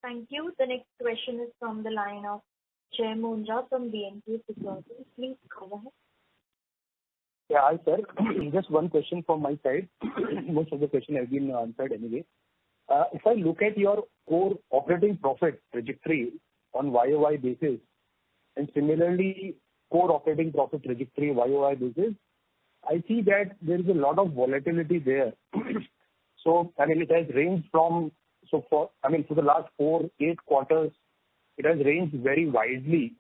Thank you. The next question is from the line of Jai Mundhra from B&K Securities. Please go ahead.
Yeah. Hi, sir. Just one question from my side. Most of the question has been answered anyway. If I look at your core operating profit trajectory on year-over-year basis, similarly core operating profit trajectory year-over-year basis, I see that there is a lot of volatility there. I mean, for the last four, eight quarters, it has ranged very widely.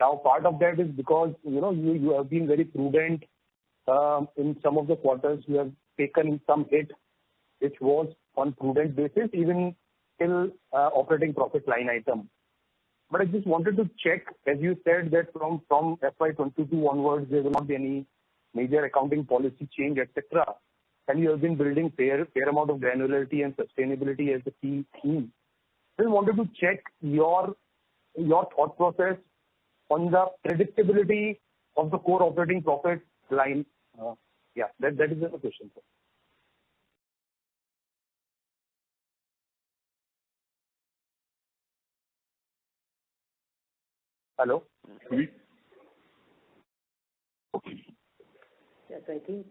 Part of that is because you have been very prudent. In some of the quarters you have taken some hit, which was on prudent basis, even till operating profit line item. I just wanted to check, as you said that from FY 2022 onwards, there will not be any major accounting policy change, et cetera. You have been building fair amount of granularity and sustainability as the key theme. Just wanted to check your thought process on the predictability of the core operating profit line. Yeah, that is the question, sir. Hello?
I think,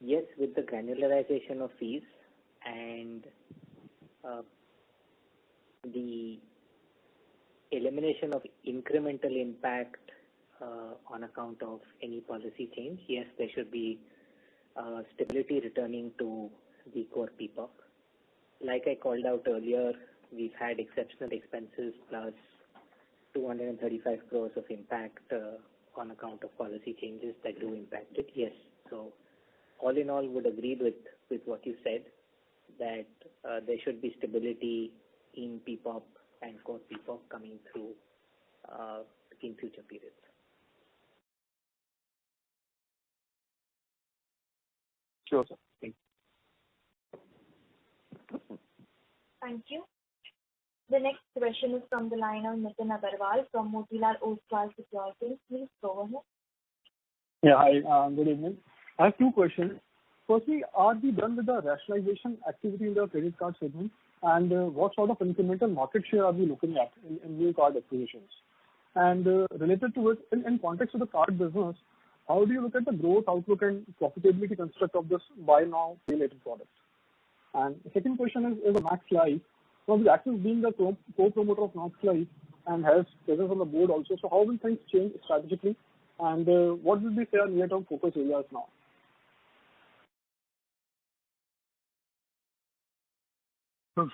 yes, with the granularization of fees and the elimination of incremental impact on account of any policy change. There should be stability returning to the core PPOP. Like I called out earlier, we've had exceptional expenses plus 235 crores of impact on account of policy changes that do impact it. All in all, would agree with what you said, that there should be stability in PPOP and core PPOP coming through in future periods.
Sure, sir. Thank you.
Thank you. The next question is from the line of Nitin Aggarwal from Motilal Oswal Securities. Please go ahead.
Yeah. Hi, good evening. I have two questions. Firstly, are we done with the rationalization activity in the credit card segment, and what sort of incremental market share are we looking at in new card acquisitions? Related to it, in context of the card business, how do you look at the growth outlook and profitability construct of this Buy Now Pay Later product? The second question is on Max Life. With Axis being the co-promoter of Max Life and has presence on the board also. How will things change strategically, and what will be fair near-term focus areas now?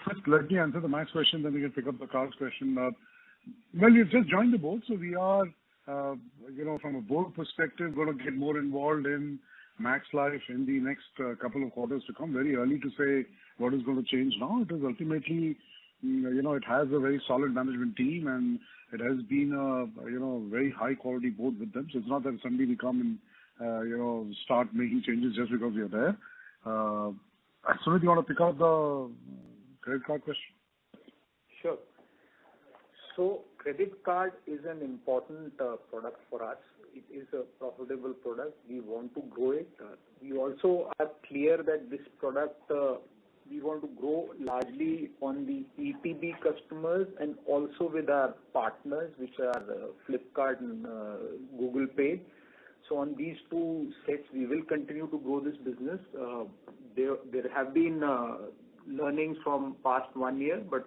First let me answer the Max question. Then we can pick up the credit card question. Well, you've just joined the board. We are from a board perspective, going to get more involved in Max Life in the next couple of quarters to come. Very early to say what is going to change now. Ultimately, it has a very solid management team, and it has been a very high-quality board with them. It's not that suddenly we come and start making changes just because we are there. Ashok, you want to pick up the credit card question?
Credit card is an important product for us. It is a profitable product. We want to grow it. We also are clear that this product, we want to grow largely on the ETB customers and also with our partners, which are Flipkart and Google Pay. On these two sets, we will continue to grow this business. There have been learnings from past one year, but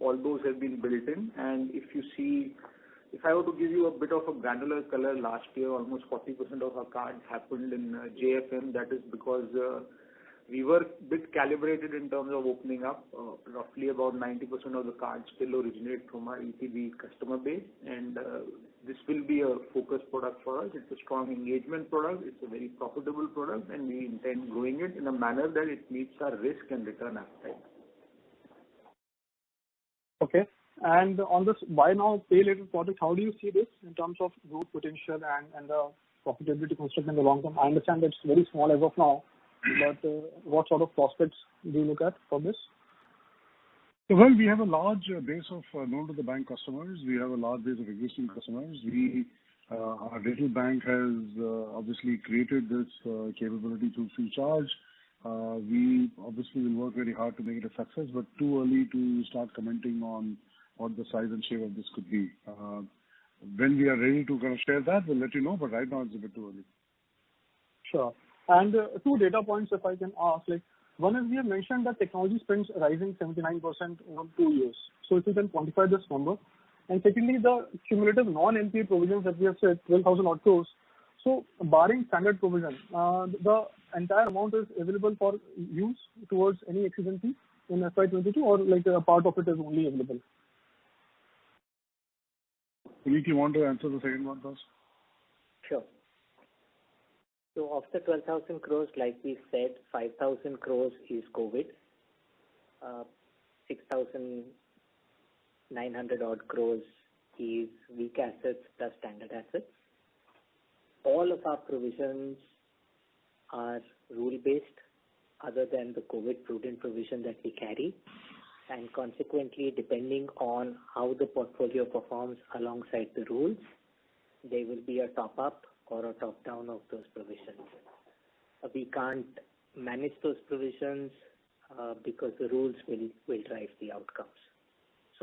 all those have been built in. If I were to give you a bit of a granular color, last year, almost 40% of our cards happened in JFM. That is because we were a bit calibrated in terms of opening up. Roughly about 90% of the cards still originate from our ETB customer base. This will be a focus product for us. It's a strong engagement product. It's a very profitable product, and we intend growing it in a manner that it meets our risk and return appetite.
Okay. On this buy now, pay later product, how do you see this in terms of growth potential and the profitability construct in the long term? I understand that it's very small as of now. What sort of prospects do you look at for this?
We have a large base of known to the bank customers. We have a large base of existing customers. Our digital bank has obviously created this capability to Freecharge. We obviously will work very hard to make it a success, but too early to start commenting on what the size and shape of this could be. When we are ready to kind of share that, we'll let you know, but right now it's a bit too early.
Sure. Two data points, if I can ask. One is we have mentioned that technology spends rising 79% over two years. If you can quantify this number. Secondly, the cumulative non-NPA provisions that we have said, 12,000 odd crores. Barring standard provision, the entire amount is available for use towards any exigency in FY 2022 or a part of it is only available?
Puneet, you want to answer the second one first?
Sure. Of the 12,000 crores, like we said, 5,000 crores is COVID. 6,900 odd crores is weak assets plus standard assets. All of our provisions are rule-based other than the COVID-prudent provision that we carry. Consequently, depending on how the portfolio performs alongside the rules, there will be a top-up or a top-down of those provisions. We can't manage those provisions because the rules will drive the outcomes.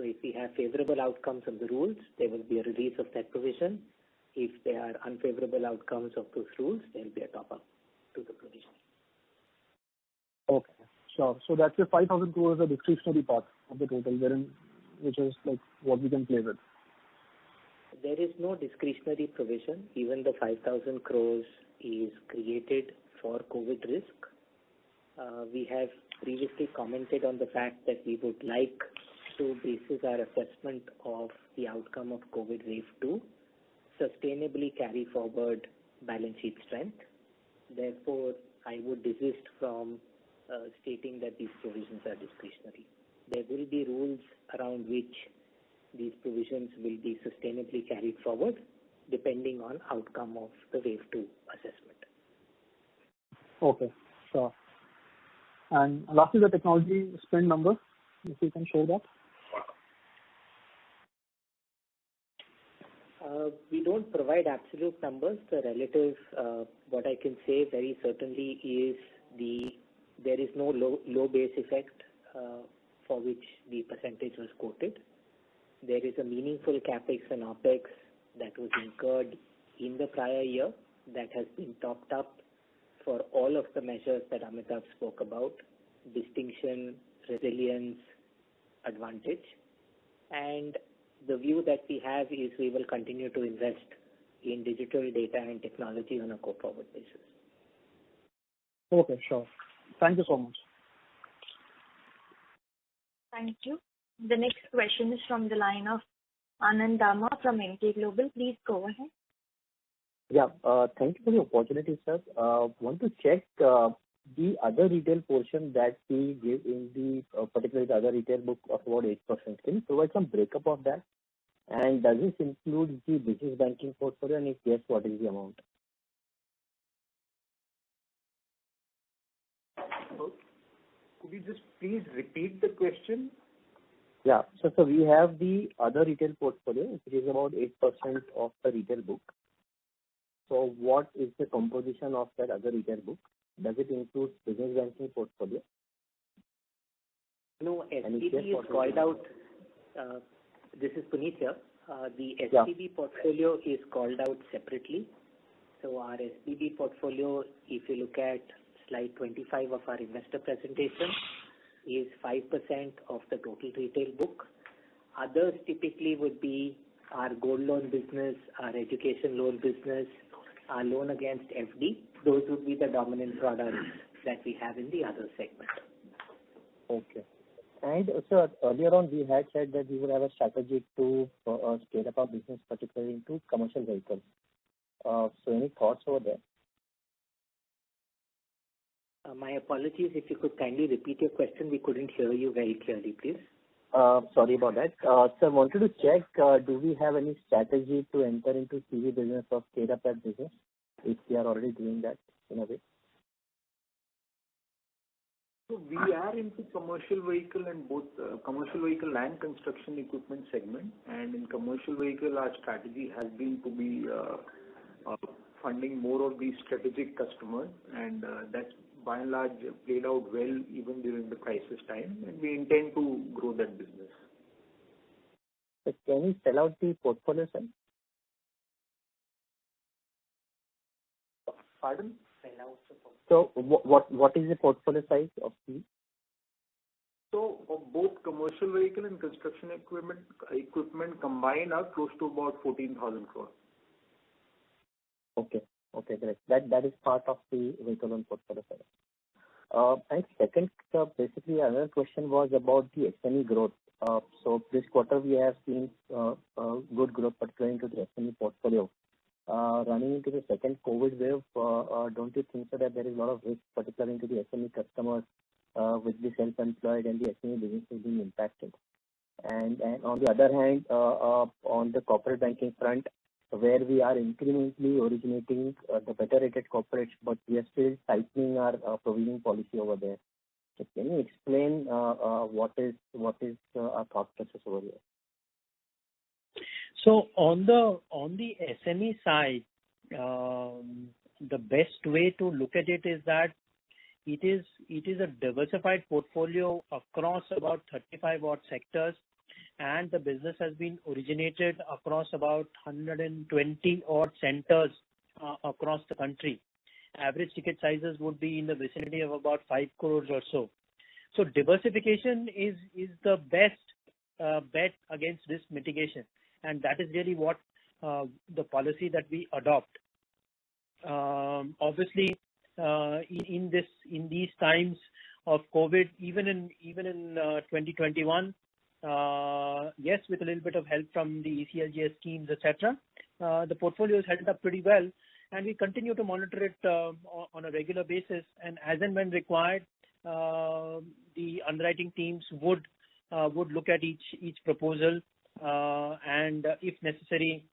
If we have favorable outcomes from the rules, there will be a release of that provision. If there are unfavorable outcomes of those rules, there'll be a top-up to the provision.
Okay. Sure. That's your 5,000 crores are discretionary part of the total wherein which is what we can play with.
There is no discretionary provision. Even the 5,000 crores is created for COVID risk. We have previously commented on the fact that we would like to base our assessment of the outcome of COVID wave 2, sustainably carry forward balance sheet strength. I would desist from stating that these provisions are discretionary. There will be rules around which these provisions will be sustainably carried forward depending on outcome of the wave 2 assessment.
Okay. Sure. Lastly, the technology spend number, if you can share that.
We don't provide absolute numbers. What I can say very certainly is there is no low base effect for which the percentage was quoted. There is a meaningful CapEx and OpEx that was incurred in the prior year that has been topped up for all of the measures that Amitabh spoke about: distinction, resilience, advantage. The view that we have is we will continue to invest in digital data and technology on a go-forward basis.
Okay, sure. Thank you so much.
Thank you. The next question is from the line of Anand Dama from Emkay Global. Please go ahead.
Yeah. Thank you for the opportunity, sir. Want to check the other retail portion that we gave in the, particularly the other retail book of about 8%. Can you provide some breakup of that? Does this include the business banking portfolio, and if yes, what is the amount?
Could you just please repeat the question?
Yeah. We have the other retail portfolio, which is about 8% of the retail book. What is the composition of that other retail book? Does it include business banking portfolio?
No, SBB is called out. This is Puneet here.
Yeah.
The SBB portfolio is called out separately. Our SBB portfolio, if you look at slide 25 of our investor presentation, is 5% of the total retail book. Others typically would be our gold loan business, our education loan business, our loan against FD. Those would be the dominant products that we have in the other segment.
Okay. Sir, earlier on, we had said that we would have a strategy to scale up our business, particularly into commercial vehicles. Any thoughts over there?
My apologies. If you could kindly repeat your question, we couldn't hear you very clearly, please.
Sorry about that. Sir, wanted to check, do we have any strategy to enter into CV business? If we are already doing that in a way.
We are into commercial vehicle and both commercial vehicle and construction equipment segment. In commercial vehicle, our strategy has been to be funding more of these strategic customers. That by and large, played out well even during the crisis time, and we intend to grow that business.
Can you spell out the portfolio size?
Pardon?
Spell out the portfolio. What is the portfolio size of these?
Both commercial vehicle and construction equipment combined are close to about 14,000 crores.
Okay. Great. That is part of the vehicle and portfolio side. Second, basically another question was about the SME growth. This quarter we have seen good growth particularly into the SME portfolio. Running into the second COVID wave, don't you think, sir, that there is a lot of risk particularly into the SME customers with the self-employed and the SME business being impacted? On the other hand, on the corporate banking front where we are incrementally originating the better rated corporate, but we are still tightening our provisioning policy over there. Can you explain what is our thought process over here?
On the SME side, the best way to look at it is that it is a diversified portfolio across about 35 odd sectors, and the business has been originated across about 120 odd centers across the country. Average ticket sizes would be in the vicinity of about 5 crores or so. Diversification is the best bet against this mitigation, and that is really what the policy that we adopt. Obviously, in these times of COVID, even in 2021, yes, with a little bit of help from the ECLGS schemes, et cetera, the portfolio has held up pretty well and we continue to monitor it on a regular basis. As and when required, the underwriting teams would look at each proposal, and if necessary,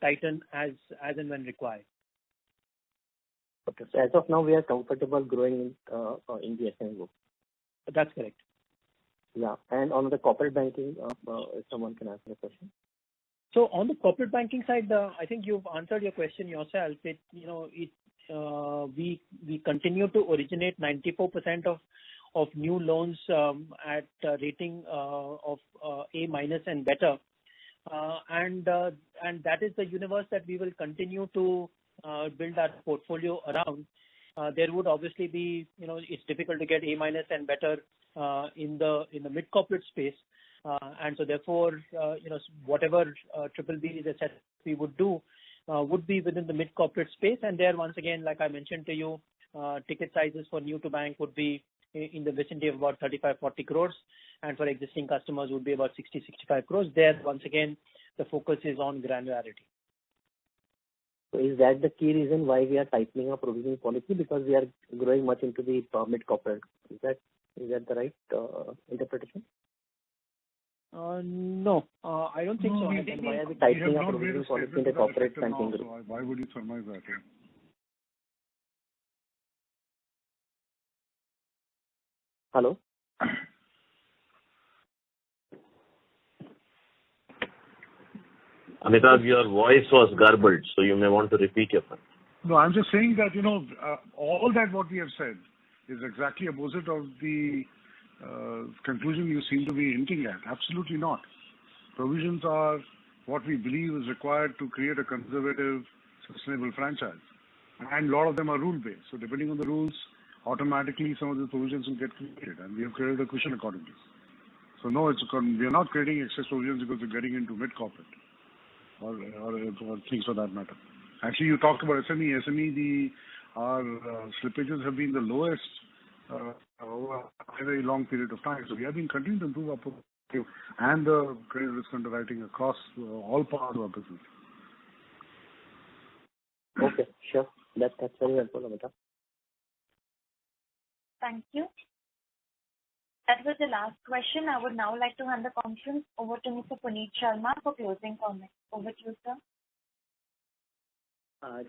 tighten as and when required.
Okay. As of now, we are comfortable growing in the SME group.
That's correct.
Yeah. On the corporate banking, if someone can answer the question.
On the corporate banking side, I think you've answered your question yourself. We continue to originate 94% of new loans at a rating of A- and better. That is the universe that we will continue to build our portfolio around. There would obviously be, it's difficult to get A- and better in the mid-corporate space. Therefore, whatever BBB we would do would be within the mid-corporate space. There, once again, like I mentioned to you, ticket sizes for new to bank would be in the vicinity of about 35-40 crores and for existing customers would be about 60-65 crores. There, once again, the focus is on granularity.
Is that the key reason why we are tightening our provisioning policy? Because we are growing much into the mid-corporate, is that the right interpretation?
No. I don't think so. I think why you're tightening up provisioning policy into corporate banking-
We have not made a statement to that effect, so why would you surmise that? Yeah.
Hello?
Amitabh, your voice was garbled, so you may want to repeat yourself.
No, I'm just saying that all that what we have said is exactly opposite of the conclusion you seem to be hinting at. Absolutely not. Provisions are what we believe is required to create a conservative, sustainable franchise. A lot of them are rule-based. Depending on the rules, automatically some of the provisions will get created, and we have created a cushion accordingly. No, we are not creating excess provisions because we are getting into mid-corporate or things for that matter. Actually, you talked about SME. SME, our slippages have been the lowest over a very long period of time. We have been continuing to improve our portfolio and the credit risk underwriting across all parts of our business.
Okay, sure. That's very helpful, Amitabh.
Thank you. That was the last question. I would now like to hand the conference over to Mr. Puneet Sharma for closing comments. Over to you, sir.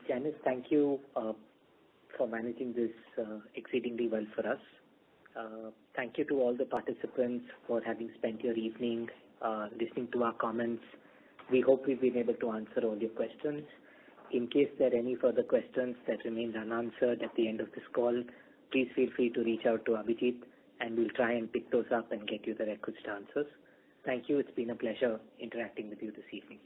Janice, thank you for managing this exceedingly well for us. Thank you to all the participants for having spent your evening listening to our comments. We hope we've been able to answer all your questions. In case there are any further questions that remain unanswered at the end of this call, please feel free to reach out to Abhijit, and we'll try and pick those up and get you the requested answers. Thank you. It's been a pleasure interacting with you this evening.